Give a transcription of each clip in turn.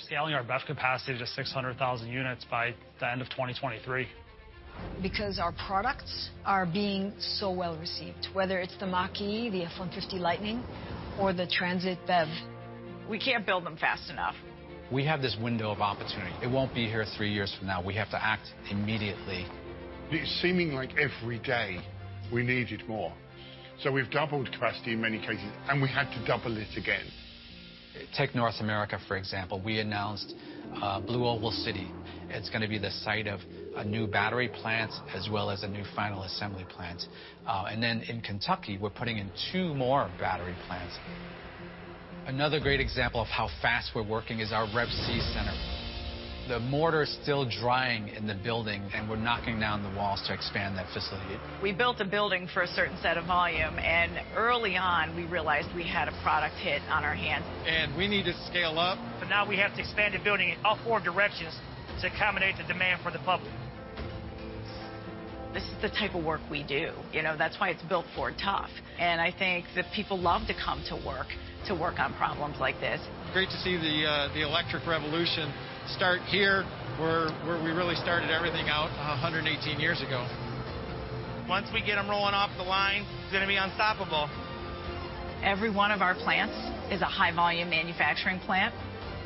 We're scaling our BEV capacity to 600,000 units by the end of 2023. Because our products are being so well-received, whether it's the Mach-E, the F-150 Lightning or the Transit BEV. We can't build them fast enough. We have this window of opportunity. It won't be here three years from now. We have to act immediately. It's seeming like every day we needed more. We've doubled capacity in many cases, and we had to double it again. Take North America, for example. We announced BlueOval City. It's gonna be the site of a new battery plant, as well as a new final assembly plant. In Kentucky, we're putting in two more battery plants. Another great example of how fast we're working is our Rouge Electric Vehicle Center. The mortar's still drying in the building, and we're knocking down the walls to expand that facility. We built a building for a certain set of volume, and early on we realized we had a product hit on our hands. We need to scale up. now we have to expand the building in all four directions to accommodate the demand from the public. This is the type of work we do, you know. That's why it's Built Ford Tough. I think that people love to come to work to work on problems like this. Great to see the electric revolution start here where we really started everything out 118 years ago. Once we get them rolling off the line, it's gonna be unstoppable. Every one of our plants is a high-volume manufacturing plant.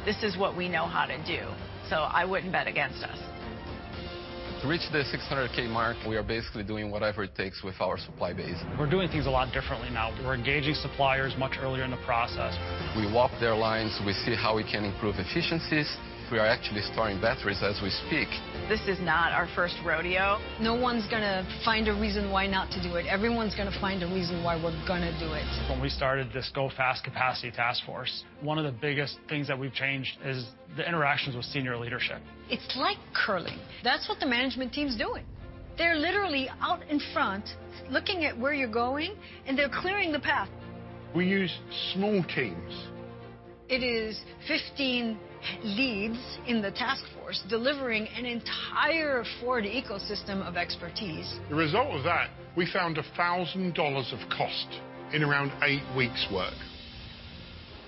This is what we know how to do, so I wouldn't bet against us. To reach the 600,000 mark, we are basically doing whatever it takes with our supply base. We're doing things a lot differently now. We're engaging suppliers much earlier in the process. We walk their lines, we see how we can improve efficiencies. We are actually storing batteries as we speak. This is not our first rodeo. No one's gonna find a reason why not to do it. Everyone's gonna find a reason why we're gonna do it. When we started this Go Fast Capacity Task Force, one of the biggest things that we've changed is the interactions with senior leadership. It's like curling. That's what the management team's doing. They're literally out in front looking at where you're going and they're clearing the path. We use small teams. It is 15 leads in the task force delivering an entire Ford ecosystem of expertise. The result of that, we found $1,000 of cost in around eight weeks' work.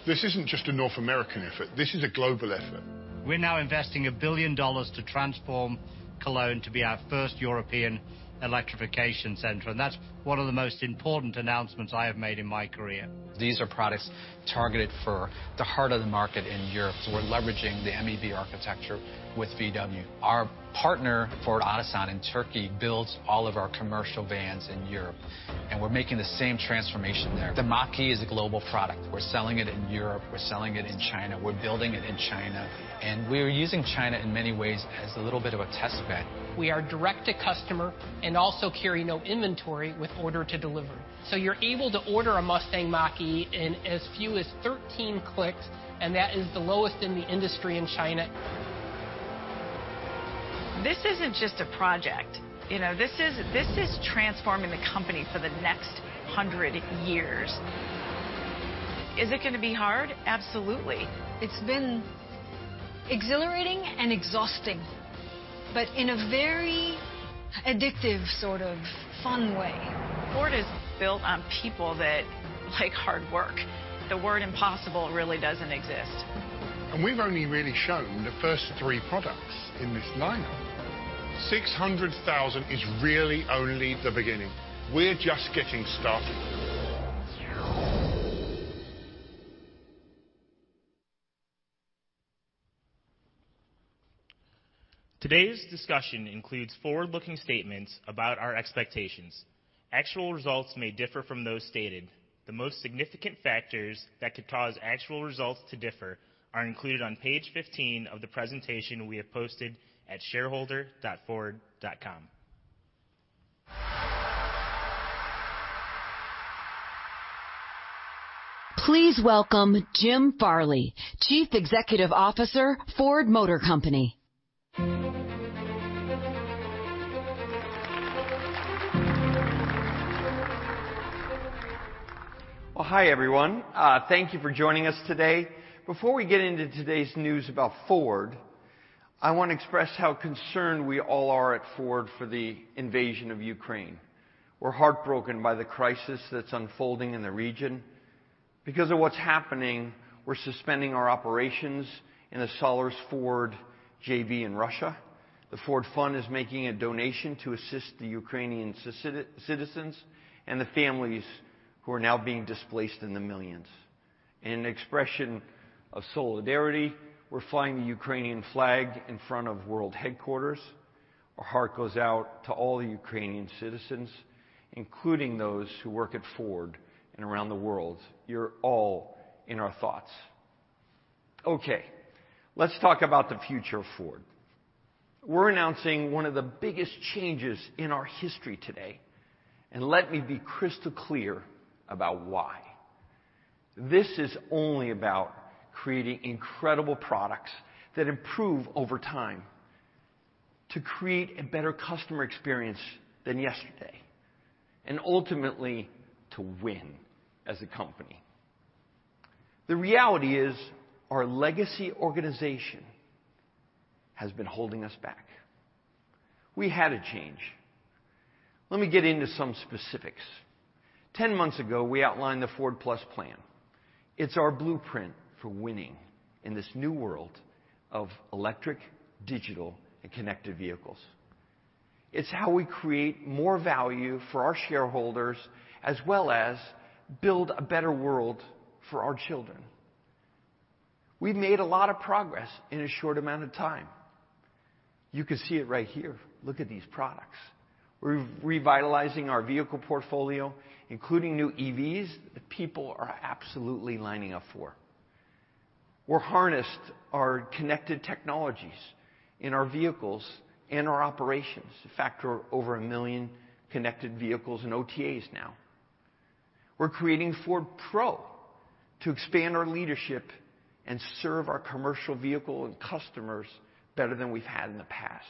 This isn't just a North American effort, this is a global effort. We're now investing $1 billion to transform Cologne to be our first European electrification center, and that's one of the most important announcements I have made in my career. These are products targeted for the heart of the market in Europe, so we're leveraging the MEB architecture with Volkswagen. Our partner, Ford Otosan in Turkey, builds all of our commercial vans in Europe, and we're making the same transformation there. The Mach-E is a global product. We're selling it in Europe, we're selling it in China, we're building it in China. We're using China in many ways as a little bit of a test bed. We are direct to customer and also carry no inventory with order to deliver. You're able to order a Mustang Mach-E in as few as 13 clicks, and that is the lowest in the industry in China. This isn't just a project, you know. This is transforming the company for the next hundred years. Is it gonna be hard? Absolutely. It's been exhilarating and exhausting, but in a very addictive sort of fun way. Ford is built on people that like hard work. The word impossible really doesn't exist. We've only really shown the first three products in this lineup. 600,000 is really only the beginning. We're just getting started. Today's discussion includes forward-looking statements about our expectations. Actual results may differ from those stated. The most significant factors that could because actual results to differ are included on page 15 of the presentation we have posted at shareholder.ford.com. Please welcome Jim Farley, Chief Executive Officer, Ford Motor Company. Well, hi, everyone. Thank you for joining us today. Before we get into today's news about Ford, I want to express how concerned we all are at Ford for the invasion of Ukraine. We're heartbroken by the crisis that's unfolding in the region. Because of what's happening, we're suspending our operations in the Sollers Ford JV in Russia. The Ford Fund is making a donation to assist the Ukrainian citizens and the families who are now being displaced in the millions. In an expression of solidarity, we're flying the Ukrainian flag in front of world headquarters. Our heart goes out to all the Ukrainian citizens, including those who work at Ford and around the world. You're all in our thoughts. Okay, let's talk about the future of Ford. We're announcing one of the biggest changes in our history today, and let me be crystal clear about why. This is only about creating incredible products that improve over time to create a better customer experience than yesterday and ultimately to win as a company. The reality is our legacy organization. Has been holding us back. We had to change. Let me get into some specifics. 10 months ago, we outlined the Ford+ plan. It's our blueprint for winning in this new world of electric, digital, and connected vehicles. It's how we create more value for our shareholders, as well as build a better world for our children. We've made a lot of progress in a short amount of time. You can see it right here. Look at these products. We're revitalizing our vehicle portfolio, including new EVs that people are absolutely lining up for. We've harnessed our connected technologies in our vehicles and our operations. In fact, we're over 1 million connected vehicles and OTAs now. We're creating Ford Pro to expand our leadership and serve our commercial vehicle and customers better than we've had in the past.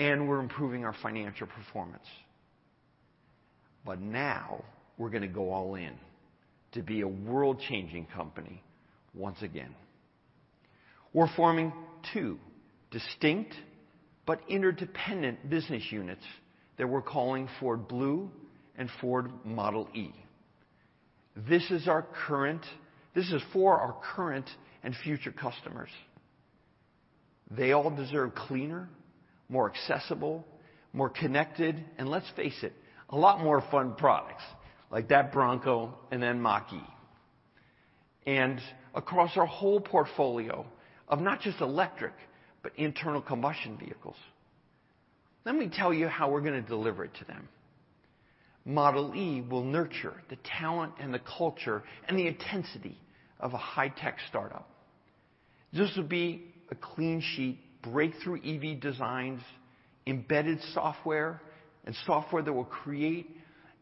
We're improving our financial performance. Now we're gonna go all in to be a world-changing company once again. We're forming two distinct but interdependent business units that we're calling Ford Blue and Ford Model e. This is for our current and future customers. They all deserve cleaner, more accessible, more connected, and let's face it, a lot more fun products like that Bronco and then Mach-E. Across our whole portfolio of not just electric, but internal combustion vehicles. Let me tell you how we're gonna deliver it to them. Model e will nurture the talent and the culture and the intensity of a high-tech startup. This will be a clean sheet, breakthrough EV designs, embedded software and software that we'll create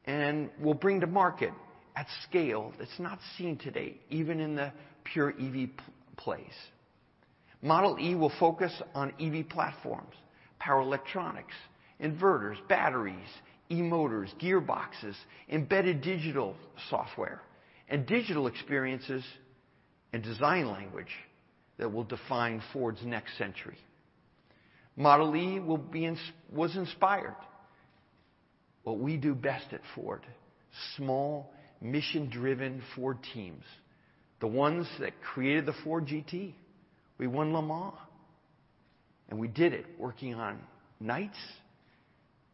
and we'll bring to market at scale that's not seen today, even in the pure EV place. Model e will focus on EV platforms, power electronics, inverters, batteries, e-motors, gearboxes, embedded digital software and digital experiences and design language that will define Ford's next century. Model e will be inspired by what we do best at Ford, small, mission-driven Ford teams, the ones that created the Ford GT. We won Le Mans, and we did it working on nights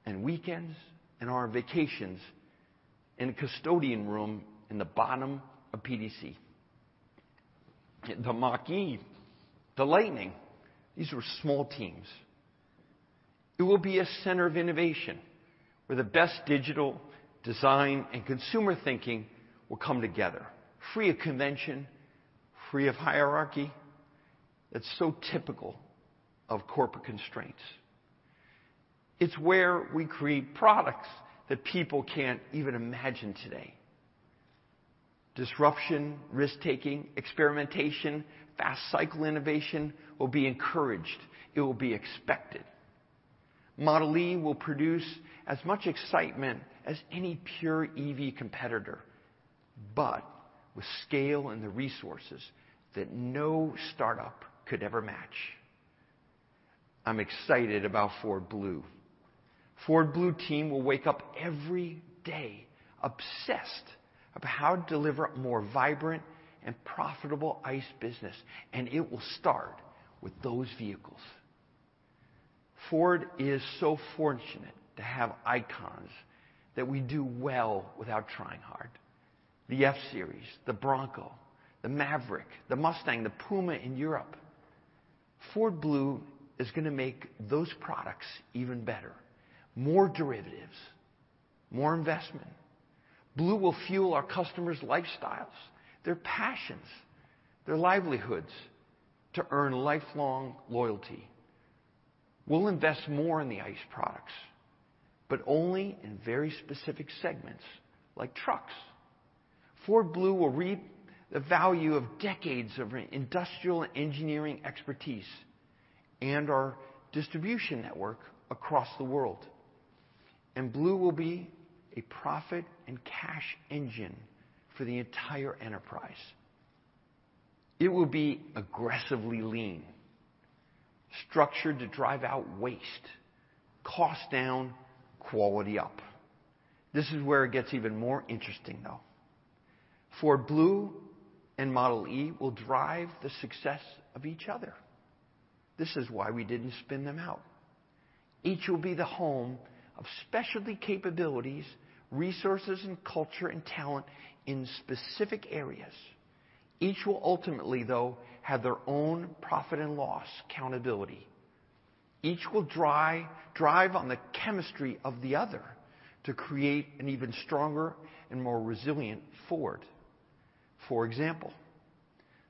and weekends and our vacations in a custodian room in the bottom of PDC. The Mach-E, the Lightning, these were small teams. It will be a center of innovation where the best digital design and consumer thinking will come together, free of convention, free of hierarchy that's so typical of corporate constraints. It's where we create products that people can't even imagine today. Disruption, risk-taking, experimentation, fast cycle innovation will be encouraged. It will be expected. Model e will produce as much excitement as any pure EV competitor, but with scale and the resources that no startup could ever match. I'm excited about Ford Blue. Ford Blue team will wake up every day obsessed of how to deliver a more vibrant and profitable ICE business, and it will start with those vehicles. Ford is so fortunate to have icons that we do well without trying hard. The F-Series, the Bronco, the Maverick, the Mustang, the Puma in Europe. Ford Blue is gonna make those products even better. More derivatives, more investment. Blue will fuel our customers' lifestyles, their passions, their livelihoods to earn lifelong loyalty. We'll invest more in the ICE products, but only in very specific segments like trucks. Ford Blue will reap the value of decades of industrial engineering expertise and our distribution network across the world. Blue will be a profit and cash engine for the entire enterprise. It will be aggressively lean, structured to drive out waste, cost down, quality up. This is where it gets even more interesting, though. Ford Blue and Model e will drive the success of each other. This is why we didn't spin them out. Each will be the home of specialty capabilities, resources, and culture and talent in specific areas. Each will ultimately, though, have their own profit and loss accountability. Each will drive on the chemistry of the other to create an even stronger and more resilient Ford. For example,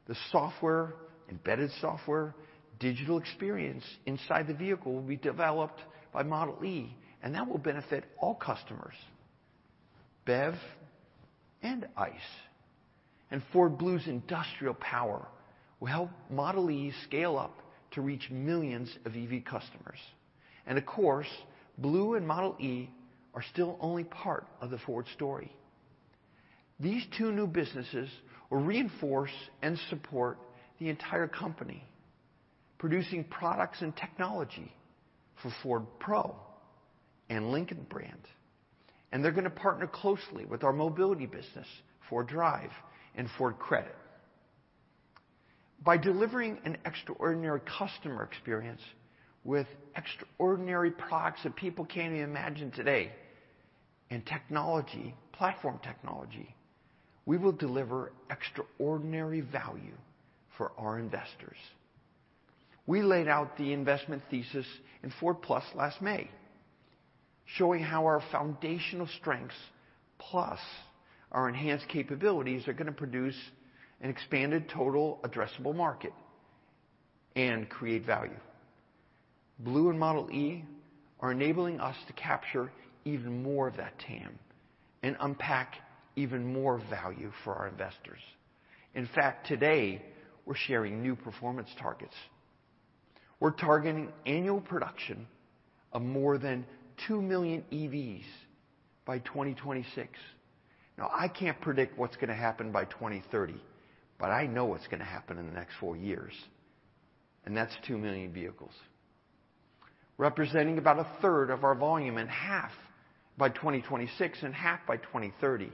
the software, embedded software, digital experience inside the vehicle will be developed by Model e, and that will benefit all customers, BEV and ICE. Ford Blue's industrial power will help Model e scale up to reach millions of EV customers. Of course, Blue and Model E are still only part of the Ford story. These two new businesses will reinforce and support the entire company, producing products and technology for Ford Pro and Lincoln brand. They're gonna partner closely with our mobility business, Ford Drive and Ford Credit. By delivering an extraordinary customer experience with extraordinary products that people can't even imagine today, and technology, platform technology, we will deliver extraordinary value for our investors. We laid out the investment thesis in Ford+ last May, showing how our foundational strengths, plus our enhanced capabilities, are gonna produce an expanded total addressable market and create value. Blue and Model E are enabling us to capture even more of that TAM and unpack even more value for our investors. In fact, today, we're sharing new performance targets. We're targeting annual production of more than two million EVs by 2026. Now, I can't predict what's gonna happen by 2030, but I know what's gonna happen in the next four years, and that's two million vehicles. Representing about a third of our volume and half by 2026 and half by 2030.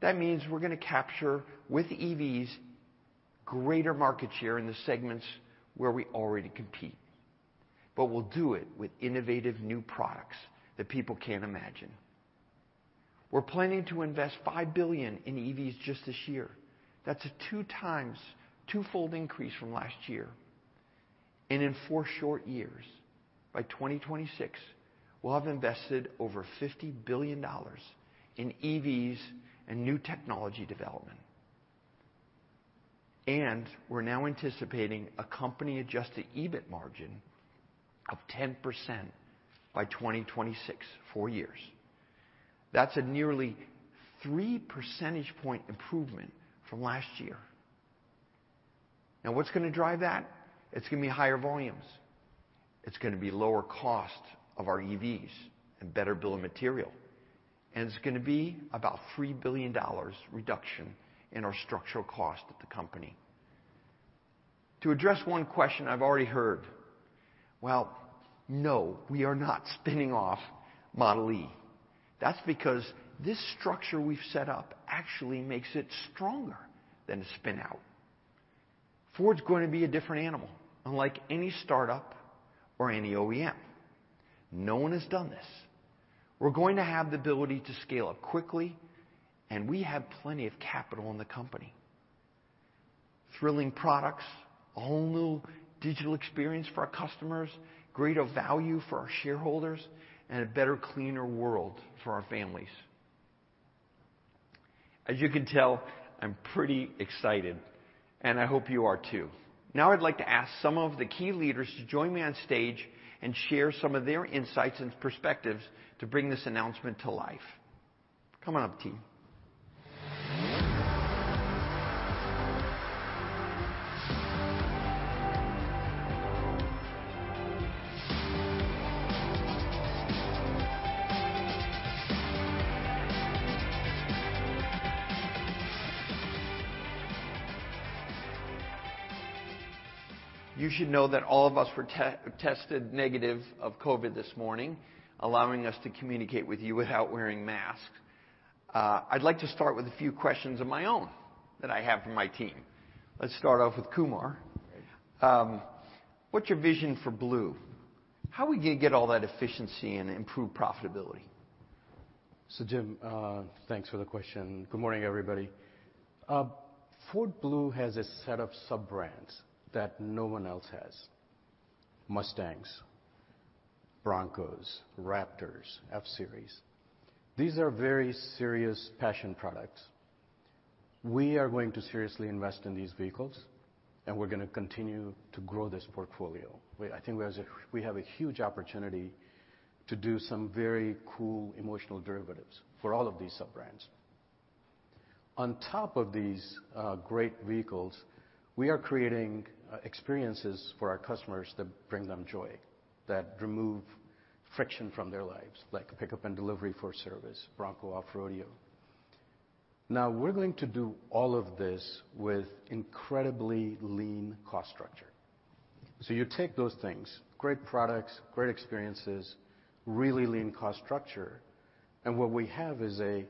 That means we're gonna capture, with EVs, greater market share in the segments where we already compete, but we'll do it with innovative new products that people can't imagine. We're planning to invest $5 billion in EVs just this year. That's a two times, twofold increase from last year. In four short years, by 2026, we'll have invested over $50 billion in EVs and new technology development. We're now anticipating a company-adjusted EBIT margin of 10% by 2026, four years. That's a nearly three percentage point improvement from last year. Now, what's gonna drive that? It's gonna be higher volumes. It's gonna be lower cost of our EVs and better bill of material. It's gonna be about $3 billion reduction in our structural cost at the company. To address one question I've already heard, well, no, we are not spinning off Model e. That's because this structure we've set up actually makes it stronger than a spin-out. Ford's going to be a different animal, unlike any startup or any OEM. No one has done this. We're going to have the ability to scale up quickly, and we have plenty of capital in the company. Thrilling products, a whole new digital experience for our customers, greater value for our shareholders, and a better, cleaner world for our families. As you can tell, I'm pretty excited, and I hope you are too. Now, I'd like to ask some of the key leaders to join me on stage and share some of their insights and perspectives to bring this announcement to life. Come on up, team. You should know that all of us were tested negative for COVID this morning, allowing us to communicate with you without wearing masks. I'd like to start with a few questions of my own that I have for my team. Let's start off with Kumar. Okay. What's your vision for Blue? How do we get all that efficiency and improve profitability? Jim, thanks for the question. Good morning, everybody. Ford Blue has a set of sub-brands that no one else has. Mustangs, Broncos, Raptor, F-Series. These are very serious passion products. We are going to seriously invest in these vehicles, and we're gonna continue to grow this portfolio. I think we have a huge opportunity to do some very cool emotional derivatives for all of these sub-brands. On top of these great vehicles, we are creating experiences for our customers that bring them joy, that remove friction from their lives, like pickup and delivery Ford service, Bronco off-roading. Now, we're going to do all of this with incredibly lean cost structure. You take those things, great products, great experiences, really lean cost structure, and what we have is a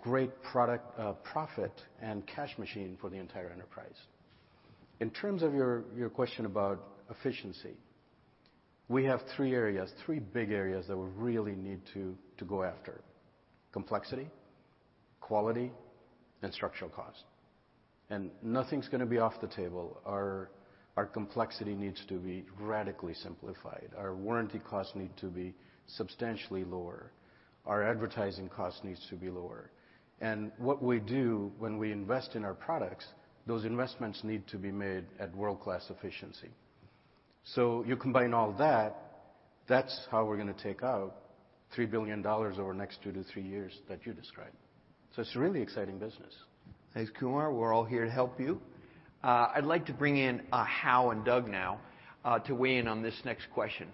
great product, profit and cash machine for the entire enterprise. In terms of your question about efficiency, we have three big areas that we really need to go after. Complexity, quality, and structural cost. Nothing's gonna be off the table. Our complexity needs to be radically simplified. Our warranty costs need to be substantially lower. Our advertising cost needs to be lower. What we do when we invest in our products, those investments need to be made at world-class efficiency. You combine all that's how we're gonna take out $3 billion over the next two to three years that you described. It's a really exciting business. Thanks, Kumar. We're all here to help you. I'd like to bring in Hau and Doug now to weigh in on this next question.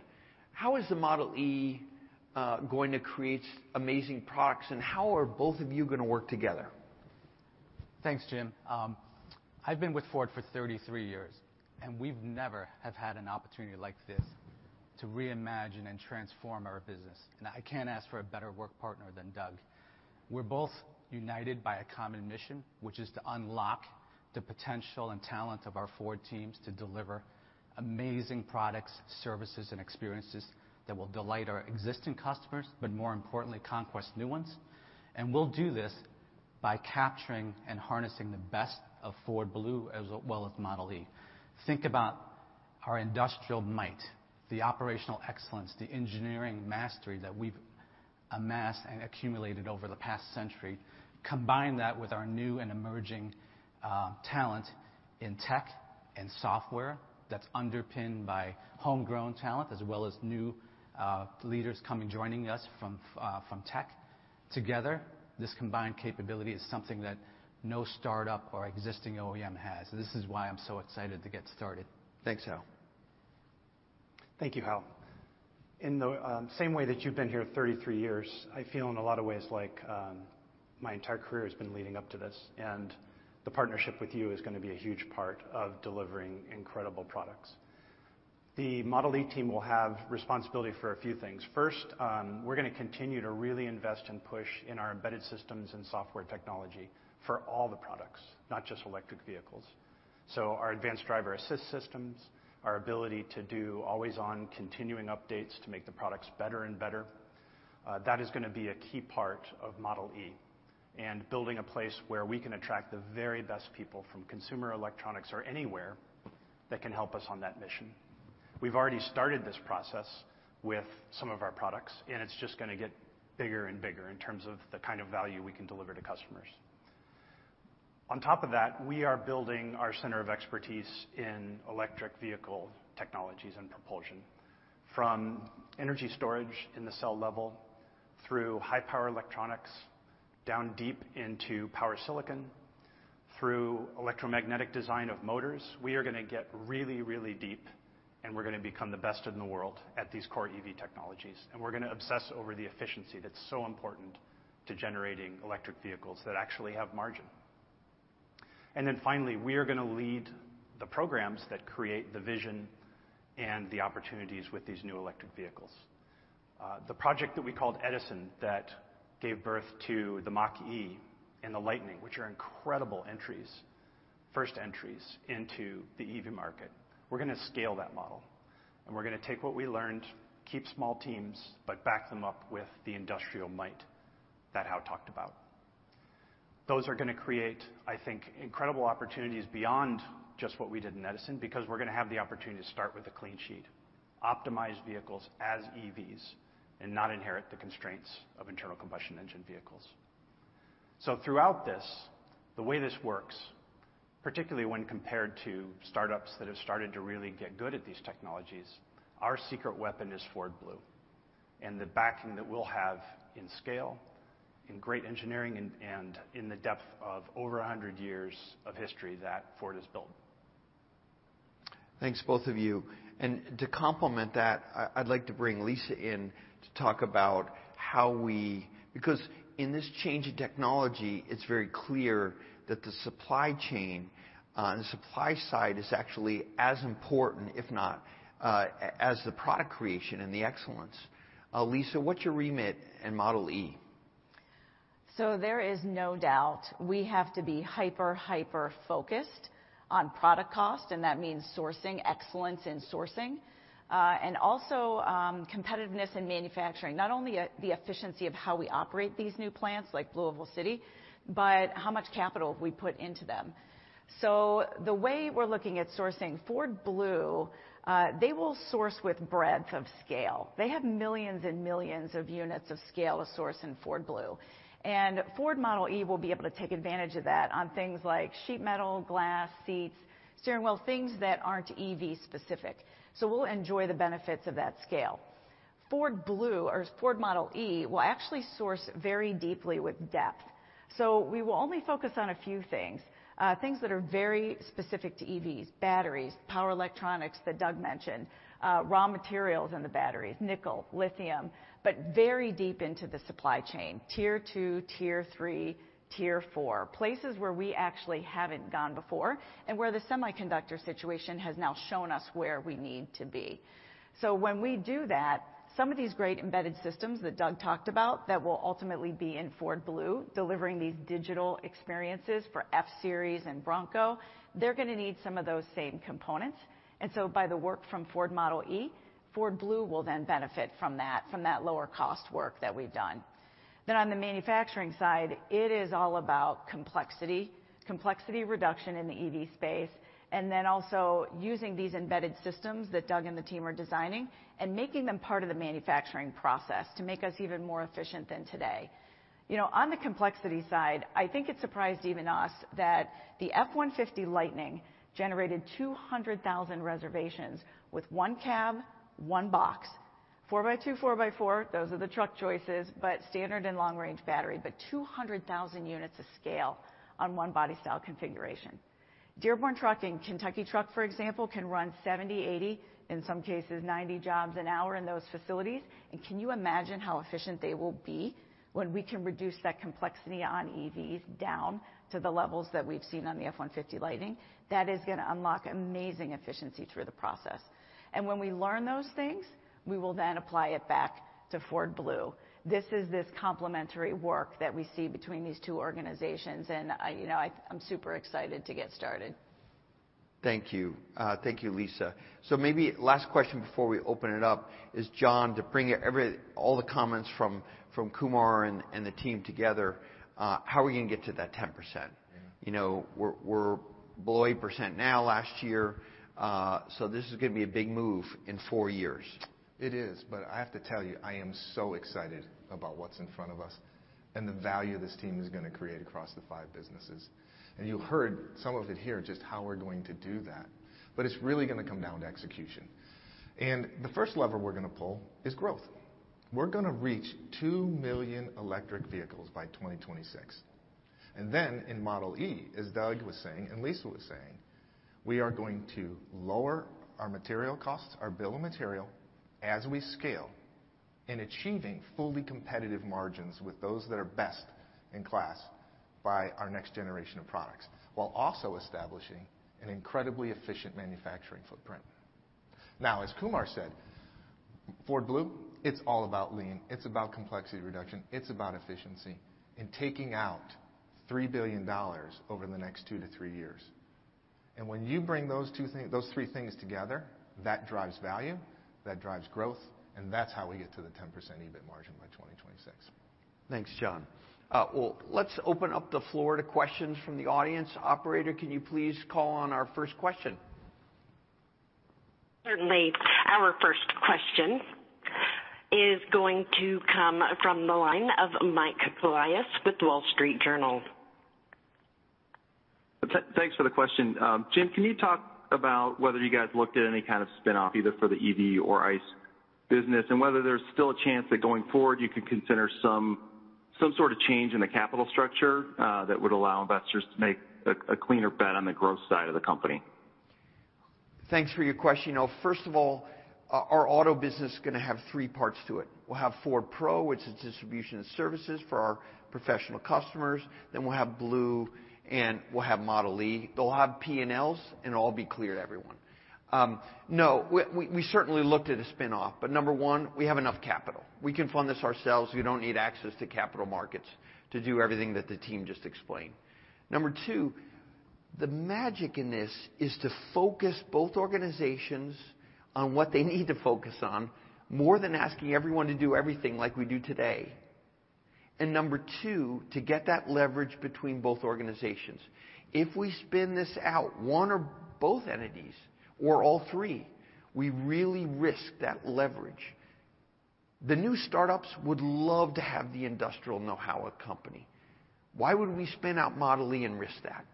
How is the Model e going to create amazing products, and how are both of you gonna work together? Thanks, Jim. I've been with Ford for 33 years, and we've never have had an opportunity like this to reimagine and transform our business. I can't ask for a better work partner than Doug. We're both united by a common mission, which is to unlock the potential and talent of our Ford teams to deliver amazing products, services, and experiences that will delight our existing customers, but more importantly, conquest new ones. We'll do this by capturing and harnessing the best of Ford Blue as well as Model e. Think about our industrial might, the operational excellence, the engineering mastery that we've amassed and accumulated over the past century. Combine that with our new and emerging talent in tech and software that's underpinned by homegrown talent, as well as new leaders coming, joining us from tech. Together, this combined capability is something that no startup or existing OEM has. This is why I'm so excited to get started. Thanks, Hau. Thank you, Hau. In the same way that you've been here 33 years, I feel in a lot of ways like my entire career has been leading up to this, and the partnership with you is gonna be a huge part of delivering incredible products. The Model e team will have responsibility for a few things. First, we're gonna continue to really invest and push in our embedded systems and software technology for all the products, not just electric vehicles. So our advanced driver assist systems, our ability to do always-on continuing updates to make the products better and better, that is gonna be a key part of Model e. Building a place where we can attract the very best people from consumer electronics or anywhere that can help us on that mission. We've already started this process with some of our products, and it's just gonna get bigger and bigger in terms of the kind of value we can deliver to customers. On top of that, we are building our center of expertise in electric vehicle technologies and propulsion. From energy storage in the cell level through high-power electronics, down deep into power silicon, through electromagnetic design of motors, we are gonna get really, really deep, and we're gonna become the best in the world at these core EV technologies. We're gonna obsess over the efficiency that's so important to generating electric vehicles that actually have margin. Finally, we are gonna lead the programs that create the vision and the opportunities with these new electric vehicles. The project that we called Edison that gave birth to the Mach-E and the Lightning, which are incredible entries, first entries into the EV market, we're gonna scale that model. We're gonna take what we learned, keep small teams, but back them up with the industrial might that Hau talked about. Those are gonna create, I think, incredible opportunities beyond just what we did in Edison, because we're gonna have the opportunity to start with a clean sheet, optimize vehicles as EVs, and not inherit the constraints of internal combustion engine vehicles. Throughout this, the way this works, particularly when compared to startups that have started to really get good at these technologies, our secret weapon is Ford Blue and the backing that we'll have in scale, in great engineering, and in the depth of over a hundred years of history that Ford has built. Thanks, both of you. To complement that, I'd like to bring Lisa in to talk about how we, because in this change in technology, it's very clear that the supply chain and the supply side is actually as important, if not, as the product creation and the excellence. Lisa, what's your remit in Model e? There is no doubt we have to be hyper-focused on product cost, and that means sourcing excellence in sourcing, and also competitiveness in manufacturing. Not only the efficiency of how we operate these new plants like Louisville City, but how much capital we put into them. The way we're looking at sourcing Ford Blue, they will source with breadth of scale. They have millions and millions of units of scale to source in Ford Blue. Ford Model e will be able to take advantage of that on things like sheet metal, glass, seats, steering wheel, things that aren't EV specific. We'll enjoy the benefits of that scale. Ford Blue or Ford Model e will actually source very deeply with depth. We will only focus on a few things that are very specific to EVs, batteries, power electronics that Doug mentioned, raw materials in the batteries, nickel, lithium, but very deep into the supply chain, tier two, tier three, tier four. Places where we actually haven't gone before and where the semiconductor situation has now shown us where we need to be. When we do that, some of these great embedded systems that Doug talked about that will ultimately be in Ford Blue, delivering these digital experiences for F-Series and Bronco, they're gonna need some of those same components. By the work from Ford Model e, Ford Blue will then benefit from that, from that lower cost work that we've done. On the manufacturing side, it is all about complexity reduction in the EV space, and then also using these embedded systems that Doug and the team are designing and making them part of the manufacturing process to make us even more efficient than today. You know, on the complexity side, I think it surprised even us that the F-150 Lightning generated 200,000 reservations with one cab, one box, four by two, four by four, those are the truck choices, but standard and long-range battery, but 200,000 units of scale on one body style configuration. Dearborn Truck and Kentucky Truck, for example, can run 70, 80, in some cases, 90 jobs an hour in those facilities. Can you imagine how efficient they will be when we can reduce that complexity on EVs down to the levels that we've seen on the F-150 Lightning? That is gonna unlock amazing efficiency through the process. When we learn those things, we will then apply it back to Ford Blue. This is complementary work that we see between these two organizations, and you know, I'm super excited to get started. Thank you. Thank you, Lisa. Maybe last question before we open it up is, John, to bring all the comments from Kumar and the team together, how are we gonna get to that 10% You know, we're below 8% now last year, so this is gonna be a big move in four years. It is, but I have to tell you, I am so excited about what's in front of us and the value this team is gonna create across the five businesses. You heard some of it here, just how we're going to do that, but it's really gonna come down to execution. The first lever we're gonna pull is growth. We're gonna reach two million electric vehicles by 2026. Then in Model e, as Doug was saying, and Lisa was saying, we are going to lower our material costs, our bill of material as we scale in achieving fully competitive margins with those that are best in class by our next generation of products, while also establishing an incredibly efficient manufacturing footprint. Now, as Kumar said, Ford Blue, it's all about lean, it's about complexity reduction, it's about efficiency and taking out $3 billion over the next two to three years. When you bring those three things together, that drives value, that drives growth, and that's how we get to the 10% EBIT margin by 2026. Thanks, John. Well, let's open up the floor to questions from the audience. Operator, can you please call on our first question? Certainly. Our first question is going to come from the line of Mike Colias with The Wall Street Journal. Thanks for the question. Jim, can you talk about whether you guys looked at any kind of spinoff, either for the EV or ICE business, and whether there's still a chance that going forward, you could consider some sort of change in the capital structure, that would allow investors to make a cleaner bet on the growth side of the company? Thanks for your question. You know, first of all, our auto business is gonna have three parts to it. We'll have Ford Pro, which is distribution and services for our professional customers, then we'll have Blue, and we'll have Model e. They'll have P&Ls, and it'll all be clear to everyone. No, we certainly looked at a spinoff, but number one, we have enough capital. We can fund this ourselves. We don't need access to capital markets to do everything that the team just explained. Number two, the magic in this is to focus both organizations on what they need to focus on more than asking everyone to do everything like we do today. Number two, to get that leverage between both organizations. If we spin this out, one or both entities, or all three, we really risk that leverage. The new startups would love to have the industrial know-how accompany. Why would we spin out Model e and risk that?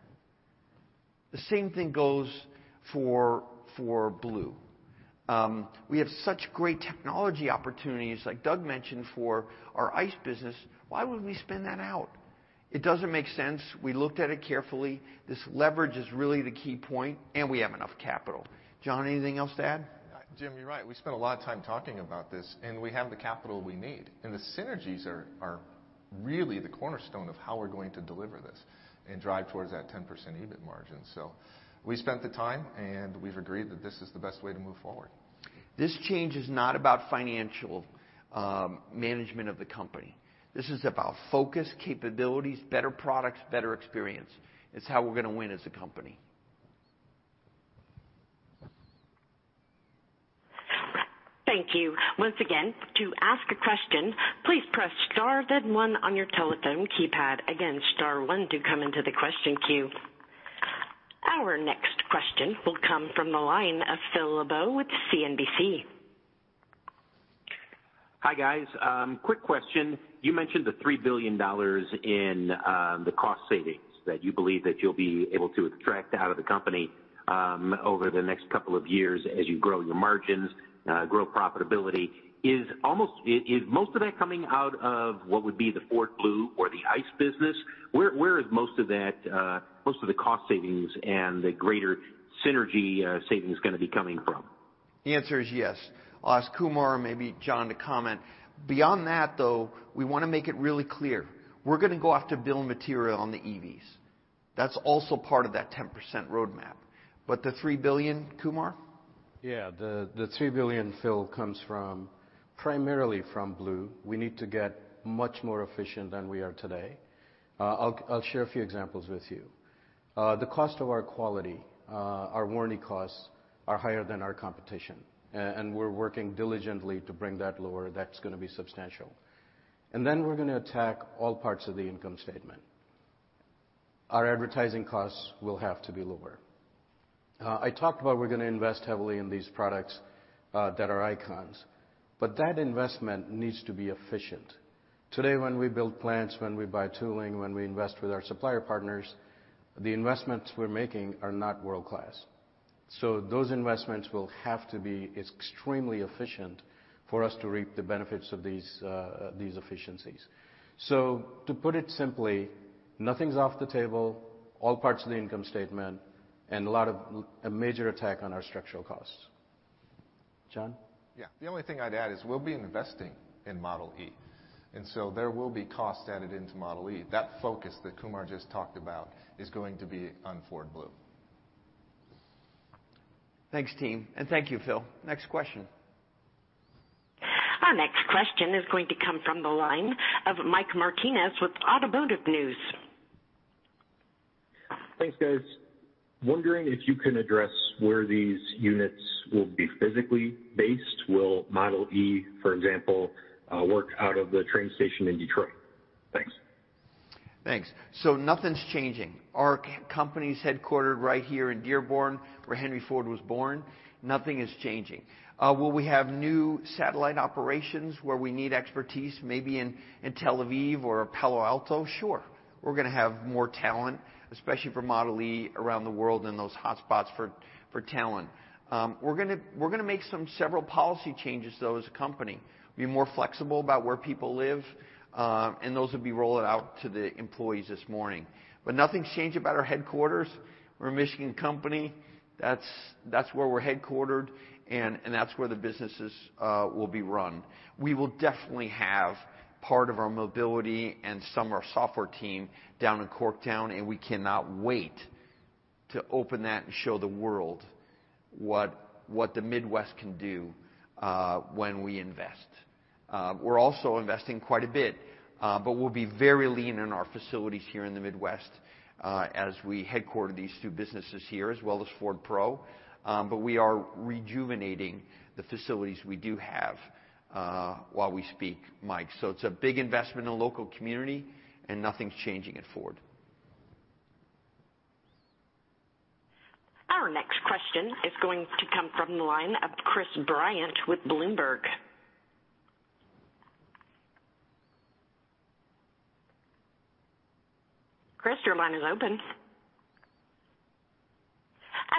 The same thing goes for Blue. We have such great technology opportunities, like Doug mentioned, for our ICE business. Why would we spin that out? It doesn't make sense. We looked at it carefully. This leverage is really the key point, and we have enough capital. John, anything else to add? Jim, you're right. We spent a lot of time talking about this, and we have the capital we need, and the synergies are really the cornerstone of how we're going to deliver this and drive towards that 10% EBIT margin. We spent the time, and we've agreed that this is the best way to move forward. This change is not about financial management of the company. This is about focus, capabilities, better products, better experience. It's how we're gonna win as a company. Thank you. Our next question will come from the line of Phil LeBeau with CNBC. Hi, guys. Quick question. You mentioned the $3 billion in the cost savings that you believe that you'll be able to extract out of the company over the next couple of years as you grow your margins, grow profitability. Is most of that coming out of what would be the Ford Blue or the ICE business? Where is most of that, most of the cost savings and the greater synergy savings gonna be coming from? The answer is yes. I'll ask Kumar or maybe John to comment. Beyond that, though, we wanna make it really clear. We're gonna go after bill of material on the EVs. That's also part of that 10% roadmap. The $3 billion, Kumar? Yeah. The $3 billion, Phil, comes from primarily from Blue. We need to get much more efficient than we are today. I'll share a few examples with you. The cost of our quality, our warranty costs are higher than our competition, and we're working diligently to bring that lower. That's gonna be substantial. Then we're gonna attack all parts of the income statement. Our advertising costs will have to be lower. I talked about we're gonna invest heavily in these products that are icons, but that investment needs to be efficient. Today, when we build plants, when we buy tooling, when we invest with our supplier partners, the investments we're making are not world-class. Those investments will have to be extremely efficient for us to reap the benefits of these efficiencies. To put it simply, nothing's off the table, all parts of the income statement, and a major attack on our structural costs. John? Yeah. The only thing I'd add is we'll be investing in Model e. There will be costs added into Model e. That focus that Kumar just talked about is going to be on Ford Blue. Thanks, team, and thank you, Phil. Next question. Our next question is going to come from the line of Michael Martinez with Automotive News. Thanks, guys. Wondering if you can address where these units will be physically based. Will Model e, for example, work out of the train station in Detroit? Thanks. Thanks. Nothing's changing. Our company's headquartered right here in Dearborn where Henry Ford was born. Nothing is changing. Will we have new satellite operations where we need expertise, maybe in Tel Aviv or Palo Alto? Sure. We're gonna have more talent, especially for Model e around the world in those hotspots for talent. We're gonna make some several policy changes though as a company. Be more flexible about where people live, and those will be rolling out to the employees this morning. Nothing's changing about our headquarters. We're a Michigan company. That's where we're headquartered, and that's where the businesses will be run. We will definitely have part of our mobility and some of our software team down in Corktown, and we cannot wait to open that and show the world what the Midwest can do when we invest. We're also investing quite a bit, but we'll be very lean in our facilities here in the Midwest as we headquarter these two businesses here, as well as Ford Pro. We are rejuvenating the facilities we do have while we speak, Mike. It's a big investment in the local community and nothing's changing at Ford. Our next question is going to come from the line of Chris Bryant with Bloomberg. Chris, your line is open.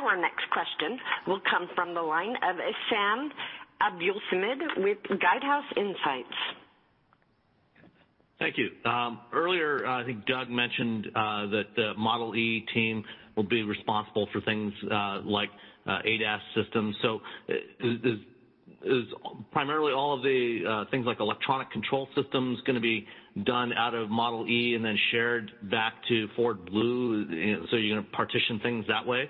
Our next question will come from the line of Sam Abuelsamid with Guidehouse Insights. Thank you. Earlier, I think Doug mentioned that the Model e team will be responsible for things like ADAS systems. Is primarily all of the things like electronic control systems gonna be done out of Model e and then shared back to Ford Blue? You're gonna partition things that way?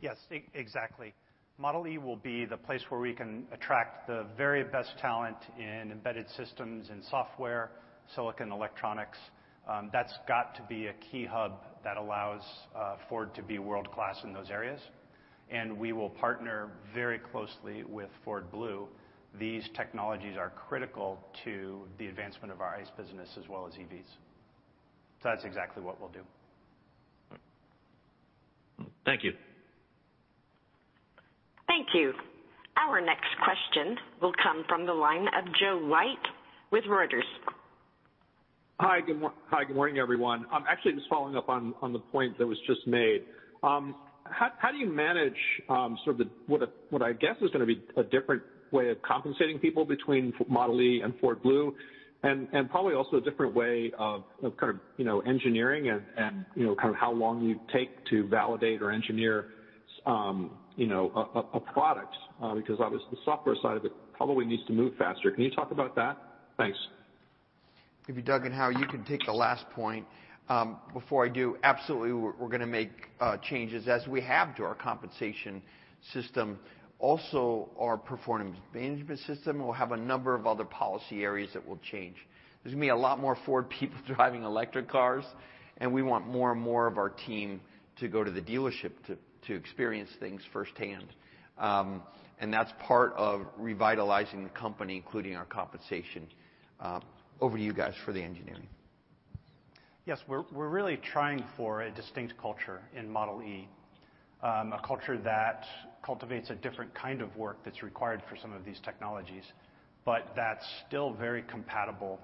Yes, exactly. Model e will be the place where we can attract the very best talent in embedded systems and software, silicon electronics. That's got to be a key hub that allows Ford to be world-class in those areas. We will partner very closely with Ford Blue. These technologies are critical to the advancement of our ICE business as well as EVs. That's exactly what we'll do. Thank you. Thank you. Our next question will come from the line of Joe White with Reuters. Hi, good morning, everyone. I'm actually just following up on the point that was just made. How do you manage sort of the, what I guess is gonna be a different way of compensating people between Model e and Ford Blue? Probably also a different way of kind of, you know, engineering and, you know, kind of how long you take to validate or engineer a product. Because obviously the software side of it probably needs to move faster. Can you talk about that? Thanks. Maybe Doug and Hau, you can take the last point. Before I do, absolutely we're gonna make changes as we have to our compensation system. Also, our performance management system will have a number of other policy areas that will change. There's gonna be a lot more Ford people driving electric cars, and we want more and more of our team to go to the dealership to experience things firsthand. That's part of revitalizing the company, including our compensation. Over to you guys for the engineering. Yes. We're really trying for a distinct culture in Model e, a culture that cultivates a different kind of work that's required for some of these technologies, but that's still very compatible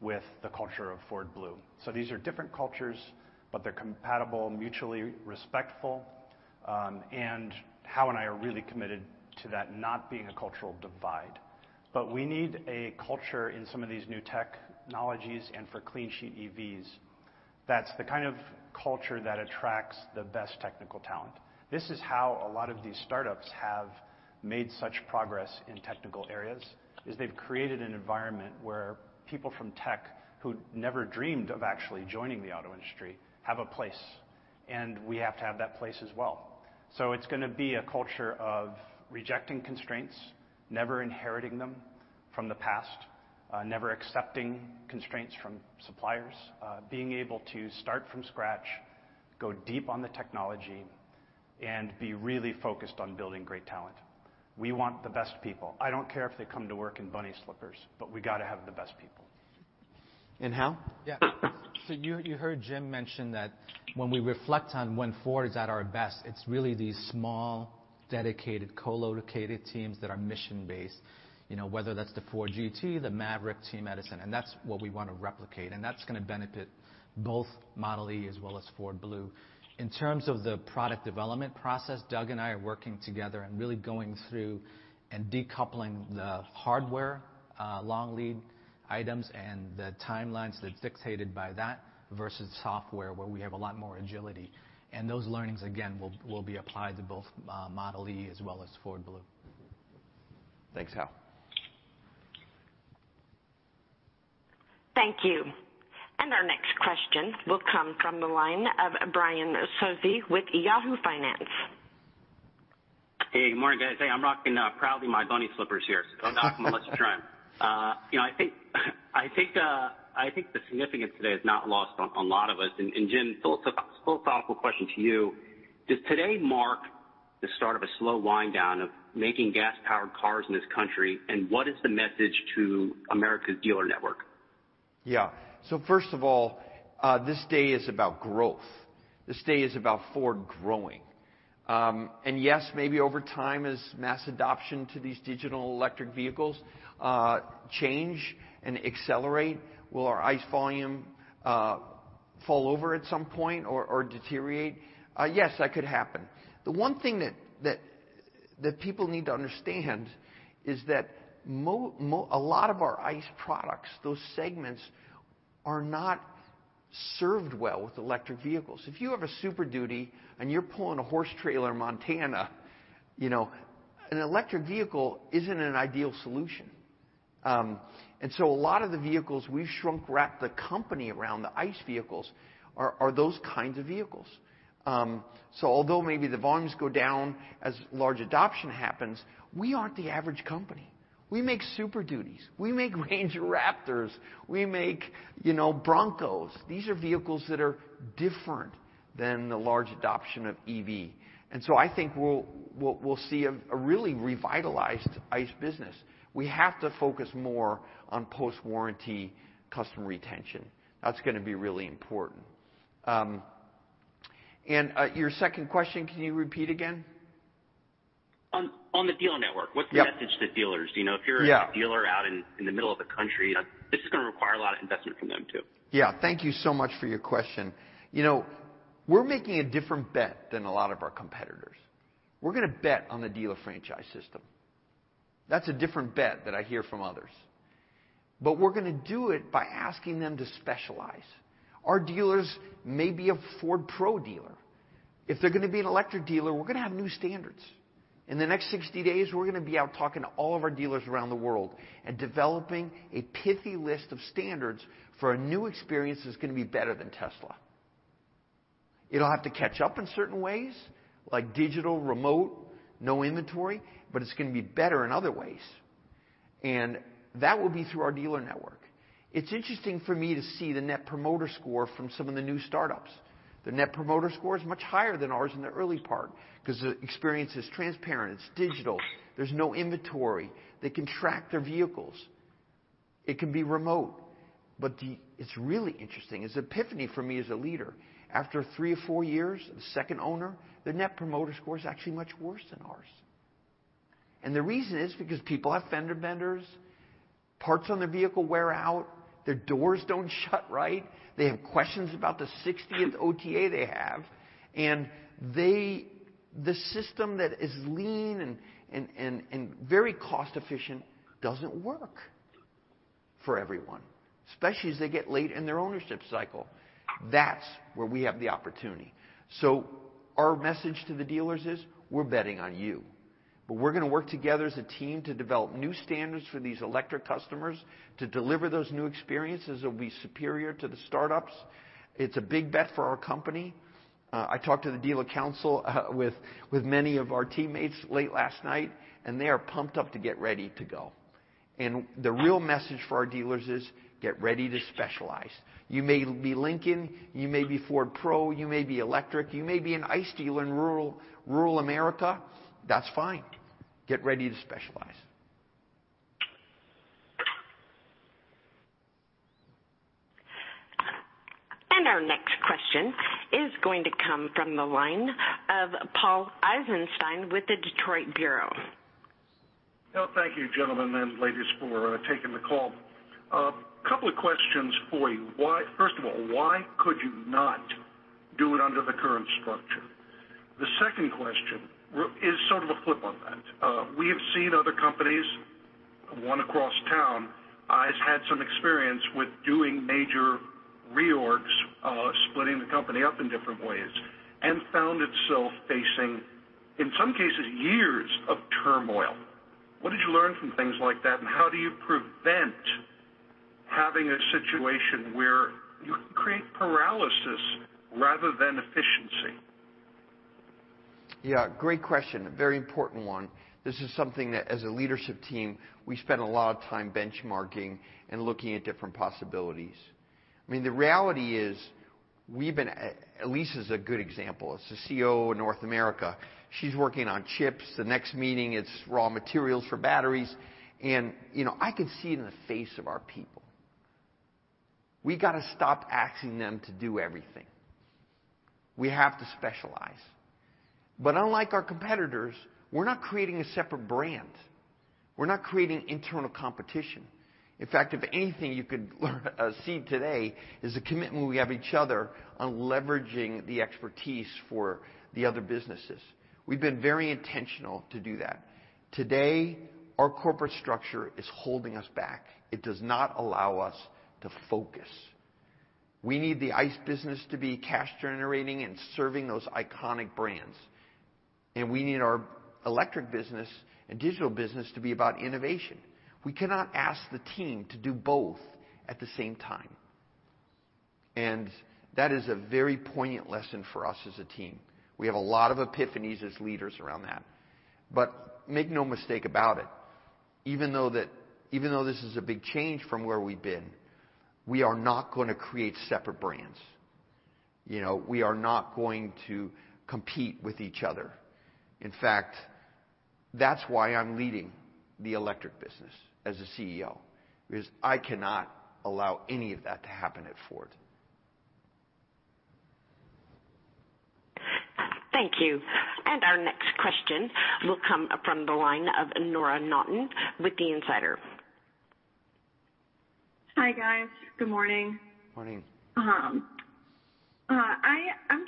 with the culture of Ford Blue. These are different cultures, but they're compatible, mutually respectful. Hau and I are really committed to that not being a cultural divide. We need a culture in some of these new technologies and for clean sheet EVs that's the kind of culture that attracts the best technical talent. This is how a lot of these startups have made such progress in technical areas, is they've created an environment where people from tech who never dreamed of actually joining the auto industry have a place, and we have to have that place as well. It's gonna be a culture of rejecting constraints, never inheriting them from the past, never accepting constraints from suppliers, being able to start from scratch, go deep on the technology, and be really focused on building great talent. We want the best people. I don't care if they come to work in bunny slippers, but we gotta have the best people. Hau? Yeah. You heard Jim mention that when we reflect on when Ford is at our best, it's really these small, dedicated, co-located teams that are mission-based, you know, whether that's the Ford GT, the Maverick team, Edison, and that's what we wanna replicate, and that's gonna benefit both Model e as well as Ford Blue. In terms of the product development process, Doug and I are working together and really going through and decoupling the hardware, long lead items and the timelines that's dictated by that versus software, where we have a lot more agility. Those learnings, again, will be applied to both, Model e as well as Ford Blue. Thanks, Hau. Thank you. Our next question will come from the line of Brian Sozzi with Yahoo Finance. Hey, good morning, guys. Hey, I'm rocking proudly my bunny slippers here. So don't knock them unless you're trying. You know, I think the significance today is not lost on a lot of us. Jim, a thoughtful question to you, does today mark the start of a slow wind down of making gas-powered cars in this country? What is the message to America's dealer network? Yeah. First of all, this day is about growth. This day is about Ford growing. Yes, maybe over time, as mass adoption to these digital electric vehicles change and accelerate, will our ICE volume fall off at some point or deteriorate? Yes, that could happen. The one thing that people need to understand is that. A lot of our ICE products, those segments are not served well with electric vehicles. If you have a Super Duty and you're pulling a horse trailer in Montana, you know, an electric vehicle isn't an ideal solution. A lot of the vehicles we've shrink-wrapped the company around the ICE vehicles are those kinds of vehicles. Although maybe the volumes go down as mass adoption happens, we aren't the average company. We make Super Duties. We make Ranger Raptor. We make, you know, Broncos. These are vehicles that are different than the large adoption of EV. I think we'll see a really revitalized ICE business. We have to focus more on post-warranty customer retention. That's gonna be really important. Your second question, can you repeat again? On the dealer network. Yep. What's the message to dealers? You know- Yeah. If you're a dealer out in the middle of the country, this is gonna require a lot of investment from them too. Yeah. Thank you so much for your question. You know, we're making a different bet than a lot of our competitors. We're gonna bet on the dealer franchise system. That's a different bet that I hear from others. But we're gonna do it by asking them to specialize. Our dealers may be a Ford Pro dealer. If they're gonna be an electric dealer, we're gonna have new standards. In the next 60 days, we're gonna be out talking to all of our dealers around the world and developing a pithy list of standards for a new experience that's gonna be better than Tesla. It'll have to catch up in certain ways, like digital, remote, no inventory, but it's gonna be better in other ways. That will be through our dealer network. It's interesting for me to see the net promoter score from some of the new startups. The net promoter score is much higher than ours in the early part because the experience is transparent, it's digital, there's no inventory, they can track their vehicles. It can be remote. It's really interesting. It's an epiphany for me as a leader. After three or four years, the second owner, their net promoter score is actually much worse than ours. The reason is because people have fender benders, parts on their vehicle wear out, their doors don't shut right, they have questions about the sixtieth OTA they have, and the system that is lean and very cost efficient doesn't work for everyone, especially as they get late in their ownership cycle. That's where we have the opportunity. Our message to the dealers is, "We're betting on you, but we're gonna work together as a team to develop new standards for these electric customers to deliver those new experiences that'll be superior to the startups." It's a big bet for our company. I talked to the dealer council with many of our teammates late last night, and they are pumped up to get ready to go. The real message for our dealers is, get ready to specialize. You may be Lincoln, you may be Ford Pro, you may be electric, you may be an ICE dealer in rural America, that's fine. Get ready to specialize. Our next question is going to come from the line of Paul Eisenstein with The Detroit Bureau. Well, thank you, gentlemen and ladies, for taking the call. Couple of questions for you. First of all, why could you not do it under the current structure? The second question is sort of a flip on that. We have seen other companies, one across town, has had some experience with doing major reorgs, splitting the company up in different ways, and found itself facing, in some cases, years of turmoil. What did you learn from things like that, and how do you prevent having a situation where you create paralysis rather than efficiency? Yeah, great question. A very important one. This is something that, as a leadership team, we spend a lot of time benchmarking and looking at different possibilities. I mean, the reality is we've been Lisa's a good example. As the CEO of North America, she's working on chips. The next meeting, it's raw materials for batteries. You know, I could see it in the face of our people. We gotta stop asking them to do everything. We have to specialize. Unlike our competitors, we're not creating a separate brand. We're not creating internal competition. In fact, if anything, you could see today is the commitment we have each other on leveraging the expertise for the other businesses. We've been very intentional to do that. Today, our corporate structure is holding us back. It does not allow us to focus. We need the ICE business to be cash generating and serving those iconic brands, and we need our electric business and digital business to be about innovation. We cannot ask the team to do both at the same time. That is a very poignant lesson for us as a team. We have a lot of epiphanies as leaders around that. Make no mistake about it, even though this is a big change from where we've been, we are not gonna create separate brands. You know, we are not going to compete with each other. In fact, that's why I'm leading the electric business as a CEO, because I cannot allow any of that to happen at Ford. Thank you. Our next question will come from the line of Nora Naughton with Business Insider. Hi, guys. Good morning. Morning. I'm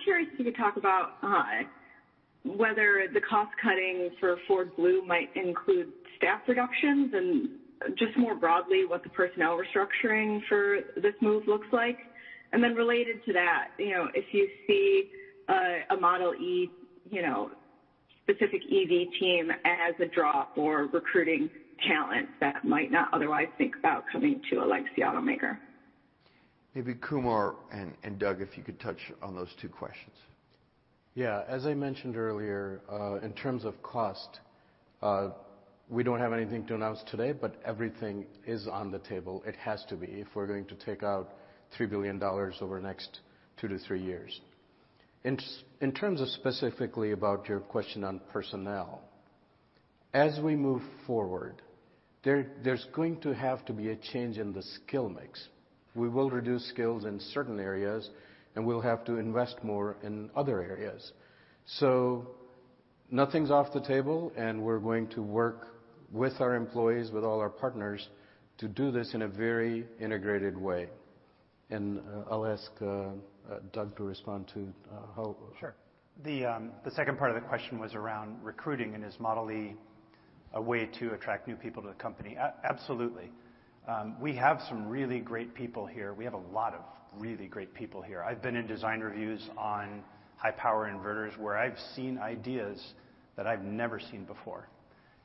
curious if you could talk about whether the cost cutting for Ford Blue might include staff reductions and just more broadly, what the personnel restructuring for this move looks like. Then related to that, you know, if you see a Model e specific EV team as a draw for recruiting talent that might not otherwise think about coming to a legacy automaker. Maybe Kumar and Doug, if you could touch on those two questions. Yeah. As I mentioned earlier, in terms of cost, we don't have anything to announce today, but everything is on the table. It has to be if we're going to take out $3 billion over the next two to three years. In terms of specifically about your question on personnel, as we move forward, there's going to have to be a change in the skill mix. We will reduce skills in certain areas, and we'll have to invest more in other areas. Nothing's off the table, and we're going to work with our employees, with all our partners to do this in a very integrated way. I'll ask Doug to respond to how- Sure. The second part of the question was around recruiting and is Model E a way to attract new people to the company? Absolutely. We have some really great people here. We have a lot of really great people here. I've been in design reviews on high-power inverters where I've seen ideas that I've never seen before.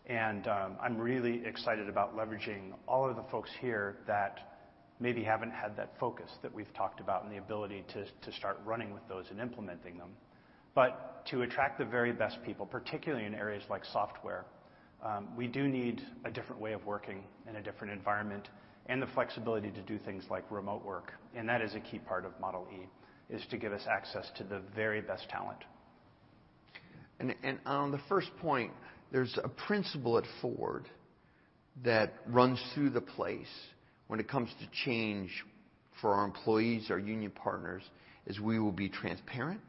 I'm really excited about leveraging all of the folks here that maybe haven't had that focus that we've talked about and the ability to start running with those and implementing them. To attract the very best people, particularly in areas like software, we do need a different way of working and a different environment and the flexibility to do things like remote work. That is a key part of Model E, is to give us access to the very best talent. On the first point, there's a principle at Ford that runs through the place when it comes to change for our employees, our union partners, is we will be transparent,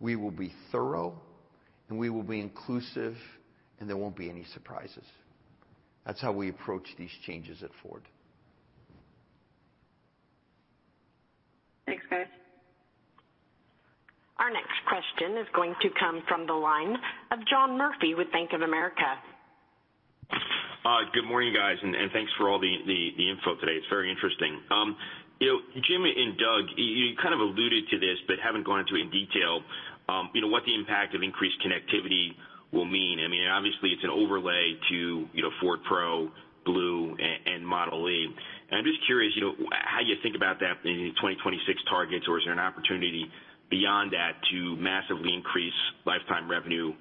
we will be thorough, and we will be inclusive, and there won't be any surprises. That's how we approach these changes at Ford. Thanks, guys. Our next question is going to come from the line of John Murphy with Bank of America. Good morning, guys, and thanks for all the info today. It's very interesting. You know, Jim and Doug, you kind of alluded to this but haven't gone into it in detail. You know, what the impact of increased connectivity will mean. I mean, obviously it's an overlay to, you know, Ford Pro, Blue, and Model E. I'm just curious, you know, how you think about that in the 2026 targets, or is there an opportunity beyond that to massively increase lifetime revenue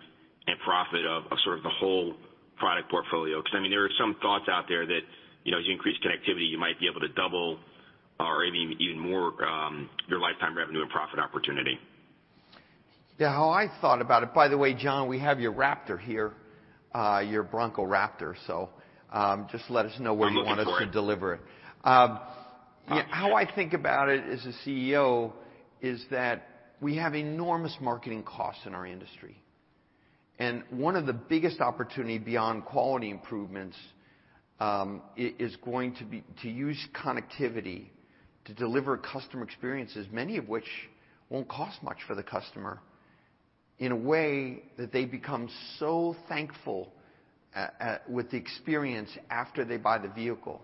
and profit of sort of the whole product portfolio? Because I mean, there are some thoughts out there that, you know, as you increase connectivity, you might be able to double or maybe even more, your lifetime revenue and profit opportunity. Yeah, how I thought about it. By the way, John, we have your Raptor here, your Bronco Raptor. Just let us know where- I'm looking for it. you want us to deliver it. How I think about it as a CEO is that we have enormous marketing costs in our industry. One of the biggest opportunity beyond quality improvements is going to be to use connectivity to deliver customer experiences, many of which won't cost much for the customer, in a way that they become so thankful with the experience after they buy the vehicle,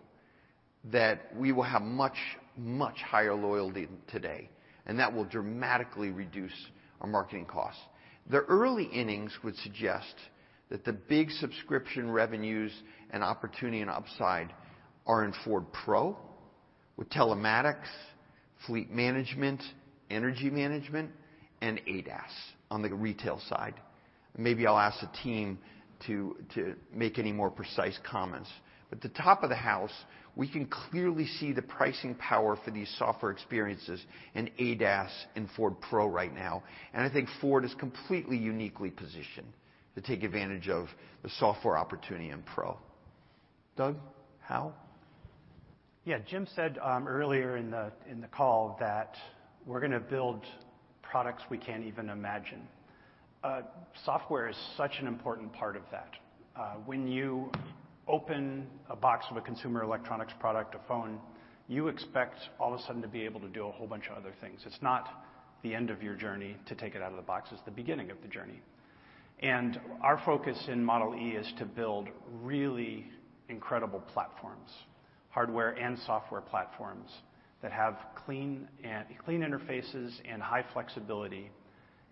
that we will have much higher loyalty than today, and that will dramatically reduce our marketing costs. The early innings would suggest that the big subscription revenues and opportunity and upside are in Ford Pro with telematics, fleet management, energy management. ADAS on the retail side. Maybe I'll ask the team to make any more precise comments. The top of the house, we can clearly see the pricing power for these software experiences in ADAS and Ford Pro right now. I think Ford is completely uniquely positioned to take advantage of the software opportunity in Pro. Doug, how? Yeah, Jim said earlier in the call that we're gonna build products we can't even imagine. Software is such an important part of that. When you open a box of a consumer electronics product, a phone, you expect all of a sudden to be able to do a whole bunch of other things. It's not the end of your journey to take it out of the box. It's the beginning of the journey. Our focus in Model e is to build really incredible platforms, hardware and software platforms, that have clean interfaces and high flexibility,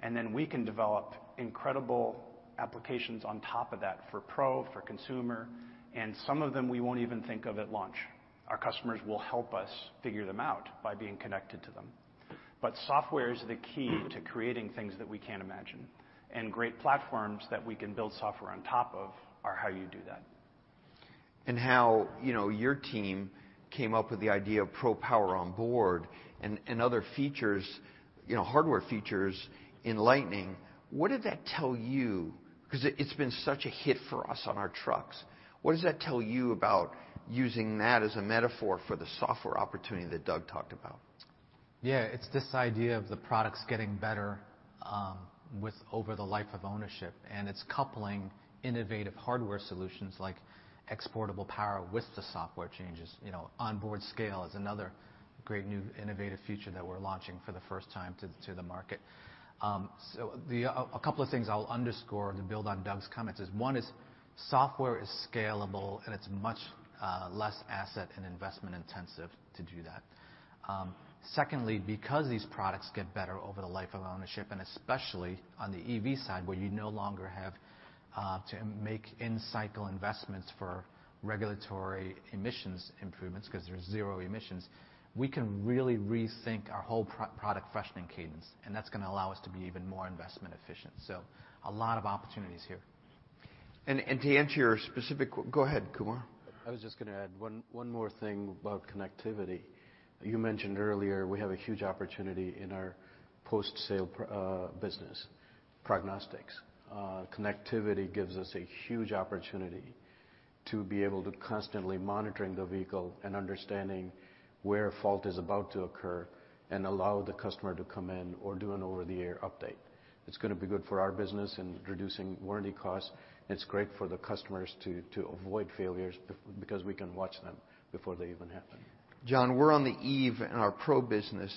and then we can develop incredible applications on top of that for Pro, for consumer, and some of them we won't even think of at launch. Our customers will help us figure them out by being connected to them. Software is the key to creating things that we can't imagine. Great platforms that we can build software on top of are how you do that. How, you know, your team came up with the idea of Pro Power Onboard and other features, you know, hardware features in Lightning, what did that tell you? Because it's been such a hit for us on our trucks. What does that tell you about using that as a metaphor for the software opportunity that Doug talked about? Yeah. It's this idea of the products getting better with over the life of ownership, and it's coupling innovative hardware solutions like exportable power with the software changes. You know, onboard scale is another great new innovative feature that we're launching for the first time to the market. A couple of things I'll underscore to build on Doug's comments is one is software is scalable, and it's much less asset and investment intensive to do that. Secondly, because these products get better over the life of ownership, and especially on the EV side where you no longer have to make in-cycle investments for regulatory emissions improvements because there's zero emissions, we can really rethink our whole product freshening cadence, and that's gonna allow us to be even more investment efficient. A lot of opportunities here. to answer your specific. Go ahead, Kumar. I was just gonna add one more thing about connectivity. You mentioned earlier we have a huge opportunity in our post-sale prognostics business. Connectivity gives us a huge opportunity to be able to constantly monitoring the vehicle and understanding where fault is about to occur and allow the customer to come in or do an over-the-air update. It's gonna be good for our business in reducing warranty costs, and it's great for the customers to avoid failures because we can watch them before they even happen. John, we're on the eve in our Pro business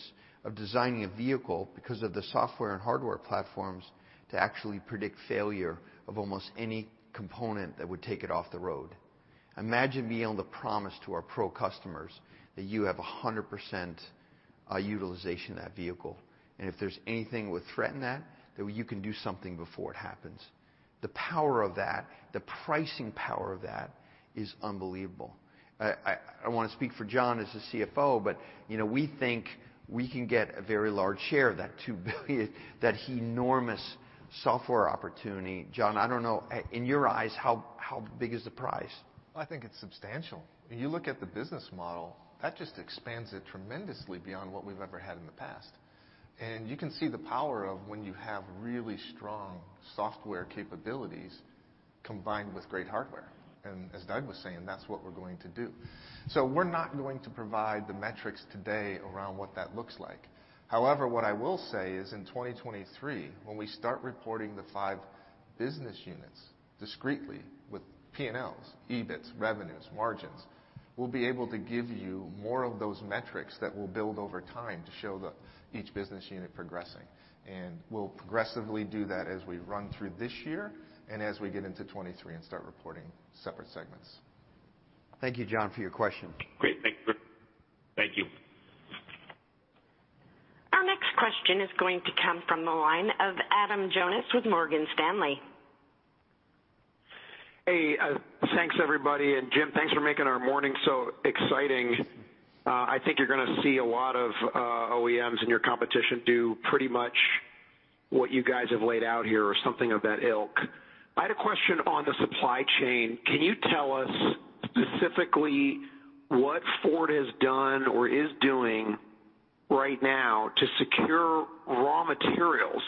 of designing a vehicle because of the software and hardware platforms to actually predict failure of almost any component that would take it off the road. Imagine being able to promise to our Pro customers that you have 100% utilization of that vehicle, and if there's anything that would threaten that you can do something before it happens. The power of that, the pricing power of that is unbelievable. I don't wanna speak for John as the CFO, but you know, we think we can get a very large share of that $2 billion, that enormous software opportunity. John, I don't know in your eyes how big is the prize? I think it's substantial. If you look at the business model, that just expands it tremendously beyond what we've ever had in the past. You can see the power of when you have really strong software capabilities combined with great hardware. As Doug was saying, that's what we're going to do. We're not going to provide the metrics today around what that looks like. However, what I will say is in 2023, when we start reporting the five business units discreetly with P&Ls, EBITs, revenues, margins, we'll be able to give you more of those metrics that we'll build over time to show the, each business unit progressing. We'll progressively do that as we run through this year and as we get into 2023 and start reporting separate segments. Thank you, John, for your question. Great. Thank you. Our next question is going to come from the line of Adam Jonas with Morgan Stanley. Hey, thanks everybody. Jim, thanks for making our morning so exciting. I think you're gonna see a lot of OEMs in your competition do pretty much what you guys have laid out here or something of that ilk. I had a question on the supply chain. Can you tell us specifically what Ford has done or is doing right now to secure raw materials,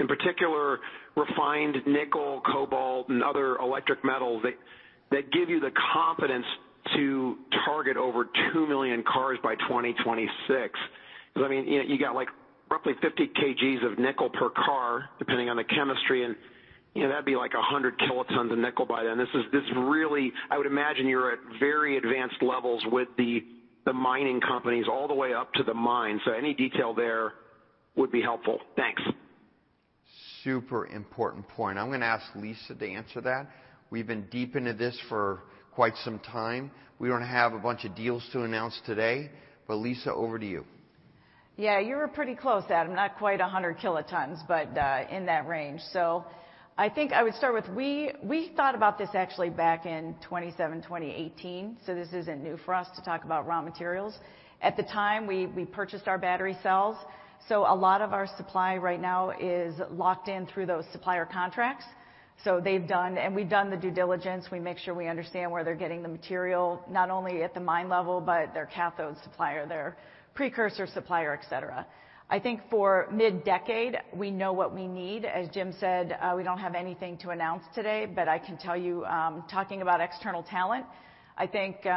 in particular refined nickel, cobalt, and other electric metals that give you the confidence to target over two million cars by 2026? 'Cause I mean, you know, you got like roughly 50 kg of nickel per car, depending on the chemistry, and, you know, that'd be like 100 kilotons of nickel by then. This is really. I would imagine you're at very advanced levels with the mining companies all the way up to the mine. Any detail there would be helpful. Thanks. Super important point. I'm gonna ask Lisa to answer that. We've been deep into this for quite some time. We don't have a bunch of deals to announce today, but Lisa, over to you. Yeah, you were pretty close, Adam. Not quite 100 kilotons, but in that range. I think I would start with we thought about this actually back in 2017, 2018, this isn't new for us to talk about raw materials. At the time, we purchased our battery cells, so a lot of our supply right now is locked in through those supplier contracts. They've done and we've done the due diligence. We make sure we understand where they're getting the material, not only at the mine level, but their cathode supplier, their precursor supplier, et cetera. I think for mid-decade, we know what we need. As Jim said, we don't have anything to announce today, but I can tell you, talking about external talent, I think, you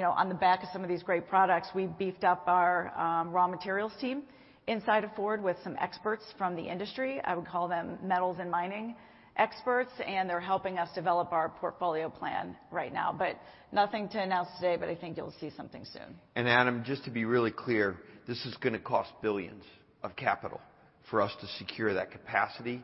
know, on the back of some of these great products, we beefed up our raw materials team inside of Ford with some experts from the industry. I would call them metals and mining experts, and they're helping us develop our portfolio plan right now. Nothing to announce today, but I think you'll see something soon. Adam, just to be really clear, this is gonna cost billions of capital for us to secure that capacity.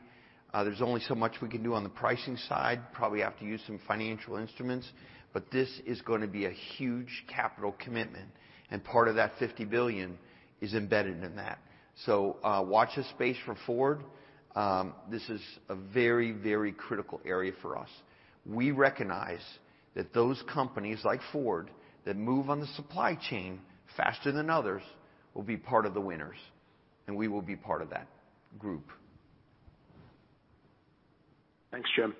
There's only so much we can do on the pricing side, probably have to use some financial instruments, but this is gonna be a huge capital commitment, and part of that $50 billion is embedded in that. Watch this space for Ford. This is a very, very critical area for us. We recognize that those companies like Ford that move on the supply chain faster than others will be part of the winners, and we will be part of that group. Thanks, Jim.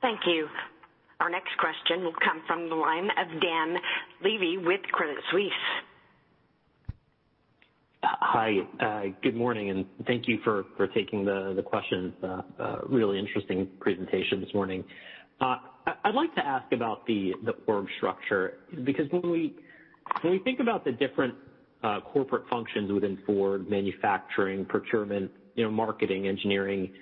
Thank you. Our next question will come from the line of Dan Levy with Credit Suisse. Hi, good morning, and thank you for taking the questions. Really interesting presentation this morning. I'd like to ask about the org structure, because when we think about the different corporate functions within Ford, manufacturing, procurement, you know, marketing, engineering,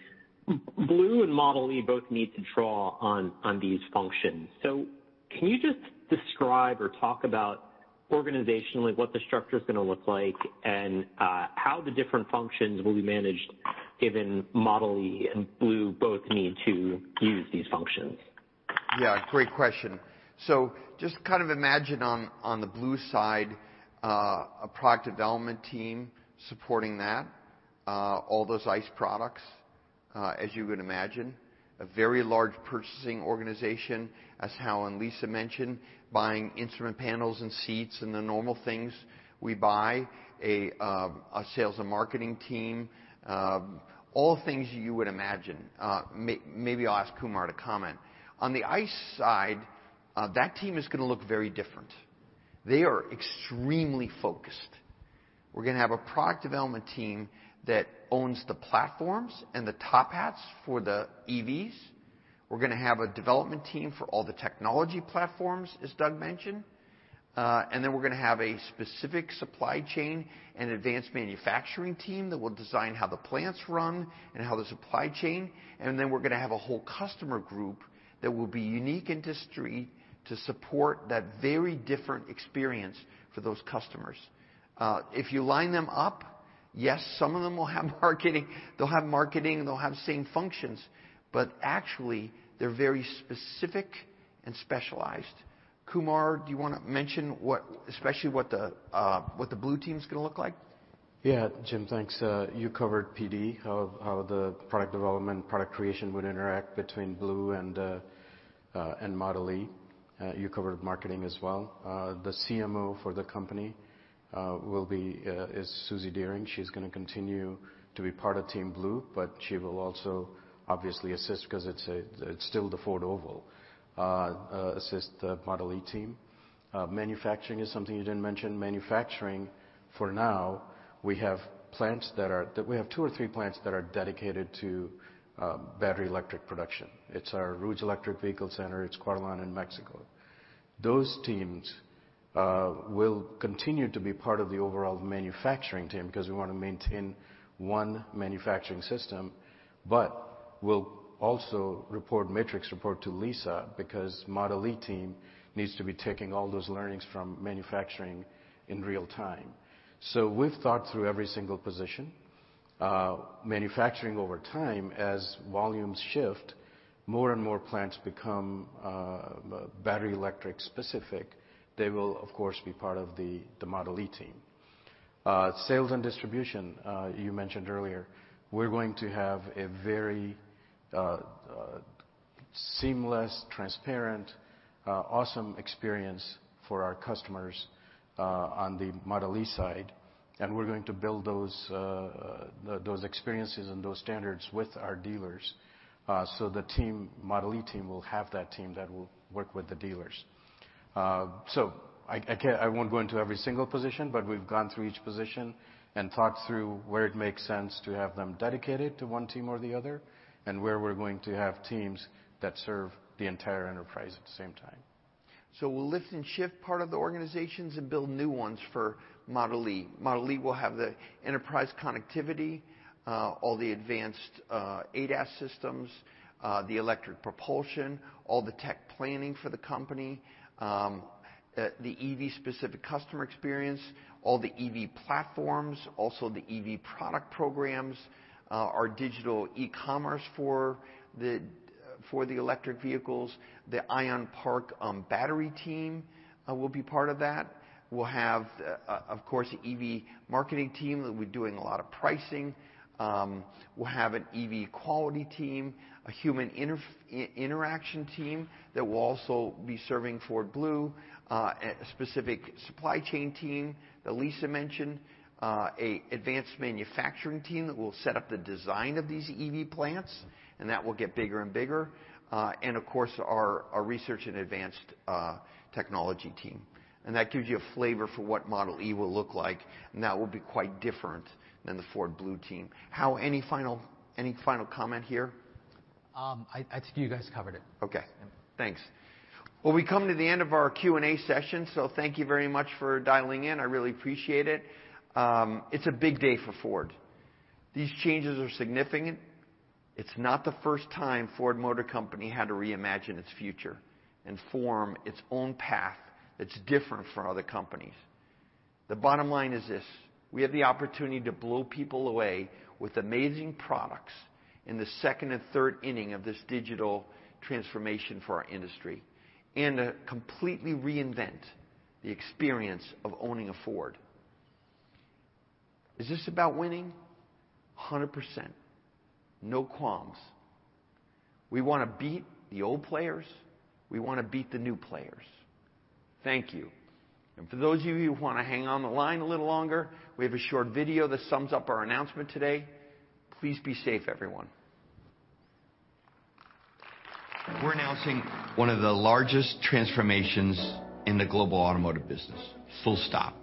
Blue and Model e both need to draw on these functions. Can you just describe or talk about organizationally what the structure's gonna look like and how the different functions will be managed given Model e and Blue both need to use these functions? Yeah, great question. Just kind of imagine on the Blue side a product development team supporting that. All those ICE products, as you would imagine. A very large purchasing organization, as Hau and Lisa mentioned, buying instrument panels and seats and the normal things we buy. A sales and marketing team. All things you would imagine. Maybe I'll ask Kumar to comment. On the ICE side, that team is gonna look very different. They are extremely focused. We're gonna have a product development team that owns the platforms and the top hats for the EVs. We're gonna have a development team for all the technology platforms, as Doug mentioned. We're gonna have a specific supply chain and advanced manufacturing team that will design how the plants run and how the supply chain. We're gonna have a whole customer group that will be unique industry to support that very different experience for those customers. If you line them up, yes, some of them will have marketing. They'll have marketing, and they'll have the same functions, but actually they're very specific and specialized. Kumar, do you wanna mention what, especially what the Blue team's gonna look like? Yeah. Jim, thanks. You covered PD, how the product development, product creation would interact between Blue and Model E. You covered marketing as well. The CMO for the company is Suzy Deering. She's gonna continue to be part of Team Blue, but she will also obviously assist, because it's still the Ford Oval, assist the Model E team. Manufacturing is something you didn't mention. Manufacturing for now we have two or three plants that are dedicated to battery electric production. It's our Rouge Electric Vehicle Center. It's Cuautitlán in Mexico. Those teams will continue to be part of the overall manufacturing team because we wanna maintain one manufacturing system. We'll also report metrics to Lisa because Model e team needs to be taking all those learnings from manufacturing in real time. We've thought through every single position. Manufacturing over time as volumes shift, more and more plants become battery electric specific. They will, of course, be part of the Model e team. Sales and distribution, you mentioned earlier, we're going to have a very seamless, transparent, awesome experience for our customers on the Model e side, and we're going to build those experiences and those standards with our dealers, so the Model e team will have that team that will work with the dealers. I won't go into every single position, but we've gone through each position and thought through where it makes sense to have them dedicated to one team or the other, and where we're going to have teams that serve the entire enterprise at the same time. We'll lift and shift part of the organizations and build new ones for Model e. Model e will have the enterprise connectivity, all the advanced ADAS systems, the electric propulsion, all the tech planning for the company, the EV specific customer experience, all the EV platforms, also the EV product programs, our digital e-commerce for the electric vehicles, the Ion Park battery team will be part of that. We'll have, of course, the EV marketing team, they'll be doing a lot of pricing. We'll have an EV quality team, a human interaction team that will also be serving Ford Blue, a specific supply chain team that Lisa mentioned, a advanced manufacturing team that will set up the design of these EV plants, and that will get bigger and bigger. Our research and advanced technology team. That gives you a flavor for what Model e will look like, and that will be quite different than the Ford Blue team. Hau, any final comment here? I think you guys covered it. Okay. Thanks. Well, we come to the end of our Q&A session. Thank you very much for dialing in. I really appreciate it. It's a big day for Ford. These changes are significant. It's not the first time Ford Motor Company had to reimagine its future and form its own path that's different from other companies. The bottom line is this. We have the opportunity to blow people away with amazing products in the second and third inning of this digital transformation for our industry and to completely reinvent the experience of owning a Ford. Is this about winning? 100%, no qualms. We wanna beat the old players. We wanna beat the new players. Thank you. For those of you who wanna hang on the line a little longer, we have a short video that sums up our announcement today. Please be safe, everyone. We're announcing one of the largest transformations in the global automotive business, full stop.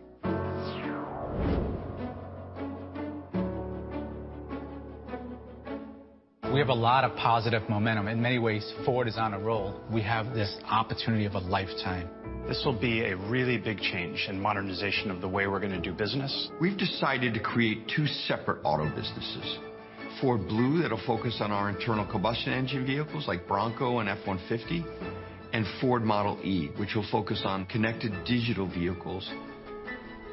We have a lot of positive momentum. In many ways, Ford is on a roll. We have this opportunity of a lifetime. This will be a really big change and modernization of the way we're gonna do business. We've decided to create two separate auto businesses, Ford Blue that'll focus on our internal combustion engine vehicles like Bronco and F-150, and Ford Model e, which will focus on connected digital vehicles.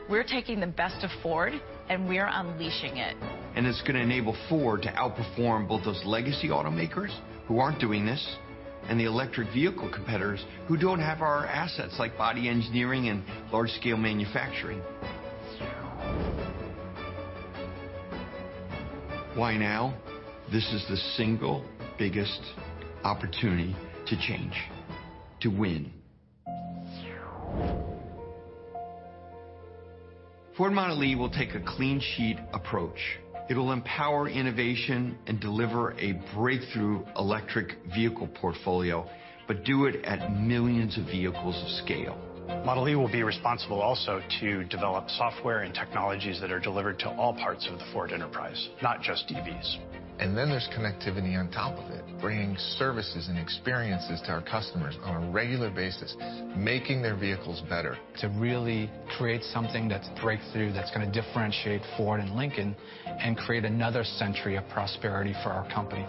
We're taking the best of Ford, and we are unleashing it. It's gonna enable Ford to outperform both those legacy automakers who aren't doing this and the electric vehicle competitors who don't have our assets like body engineering and large-scale manufacturing. Why now? This is the single biggest opportunity to change, to win. Ford Model e will take a clean sheet approach. It will empower innovation and deliver a breakthrough electric vehicle portfolio, but do it at millions of vehicles of scale. Model e will be responsible also to develop software and technologies that are delivered to all parts of the Ford enterprise, not just EVs. There's connectivity on top of it, bringing services and experiences to our customers on a regular basis, making their vehicles better. To really create something that's breakthrough, that's gonna differentiate Ford and Lincoln and create another century of prosperity for our company.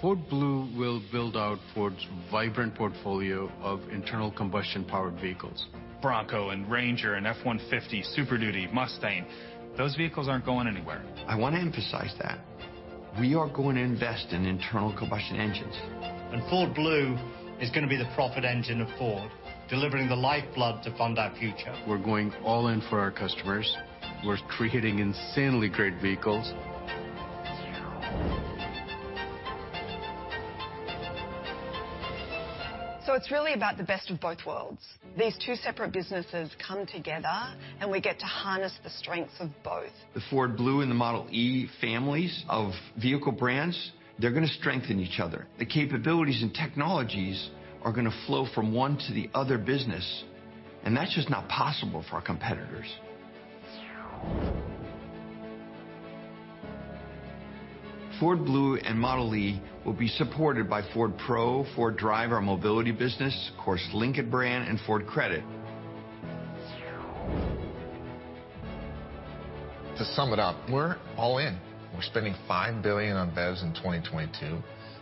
Ford Blue will build out Ford's vibrant portfolio of internal combustion powered vehicles. Bronco and Ranger and F-150, Super Duty, Mustang, those vehicles aren't going anywhere. I want to emphasize that. We are going to invest in internal combustion engines. Ford Blue is gonna be the profit engine of Ford, delivering the lifeblood to fund our future. We're going all in for our customers. We're creating insanely great vehicles. It's really about the best of both worlds. These two separate businesses come together, and we get to harness the strengths of both. The Ford Blue and the Model e families of vehicle brands, they're gonna strengthen each other. The capabilities and technologies are gonna flow from one to the other business, and that's just not possible for our competitors. Ford Blue and Model e will be supported by Ford Pro, Ford Drive, our mobility business, of course, Lincoln brand and Ford Credit. To sum it up, we're all in. We're spending $5 billion on BEVs in 2022.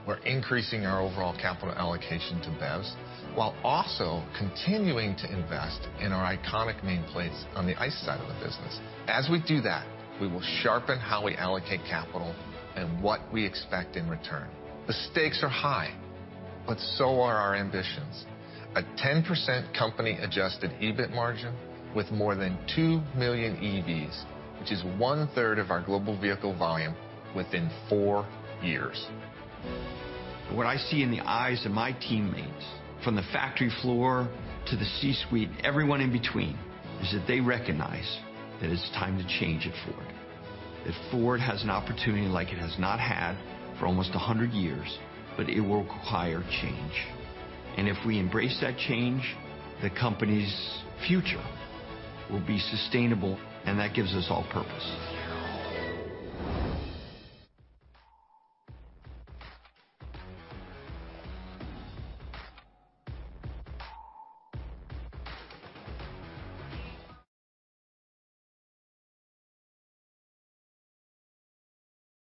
We're increasing our overall capital allocation to BEVs while also continuing to invest in our iconic nameplates on the ICE side of the business. As we do that, we will sharpen how we allocate capital and what we expect in return. The stakes are high, but so are our ambitions. A 10% company-adjusted EBIT margin with more than two million EVs, which is 1/3 of our global vehicle volume within four years. What I see in the eyes of my teammates, from the factory floor to the C-suite, everyone in between, is that they recognize that it's time to change at Ford, that Ford has an opportunity like it has not had for almost a hundred years, but it will require change. If we embrace that change, the company's future will be sustainable, and that gives us all purpose.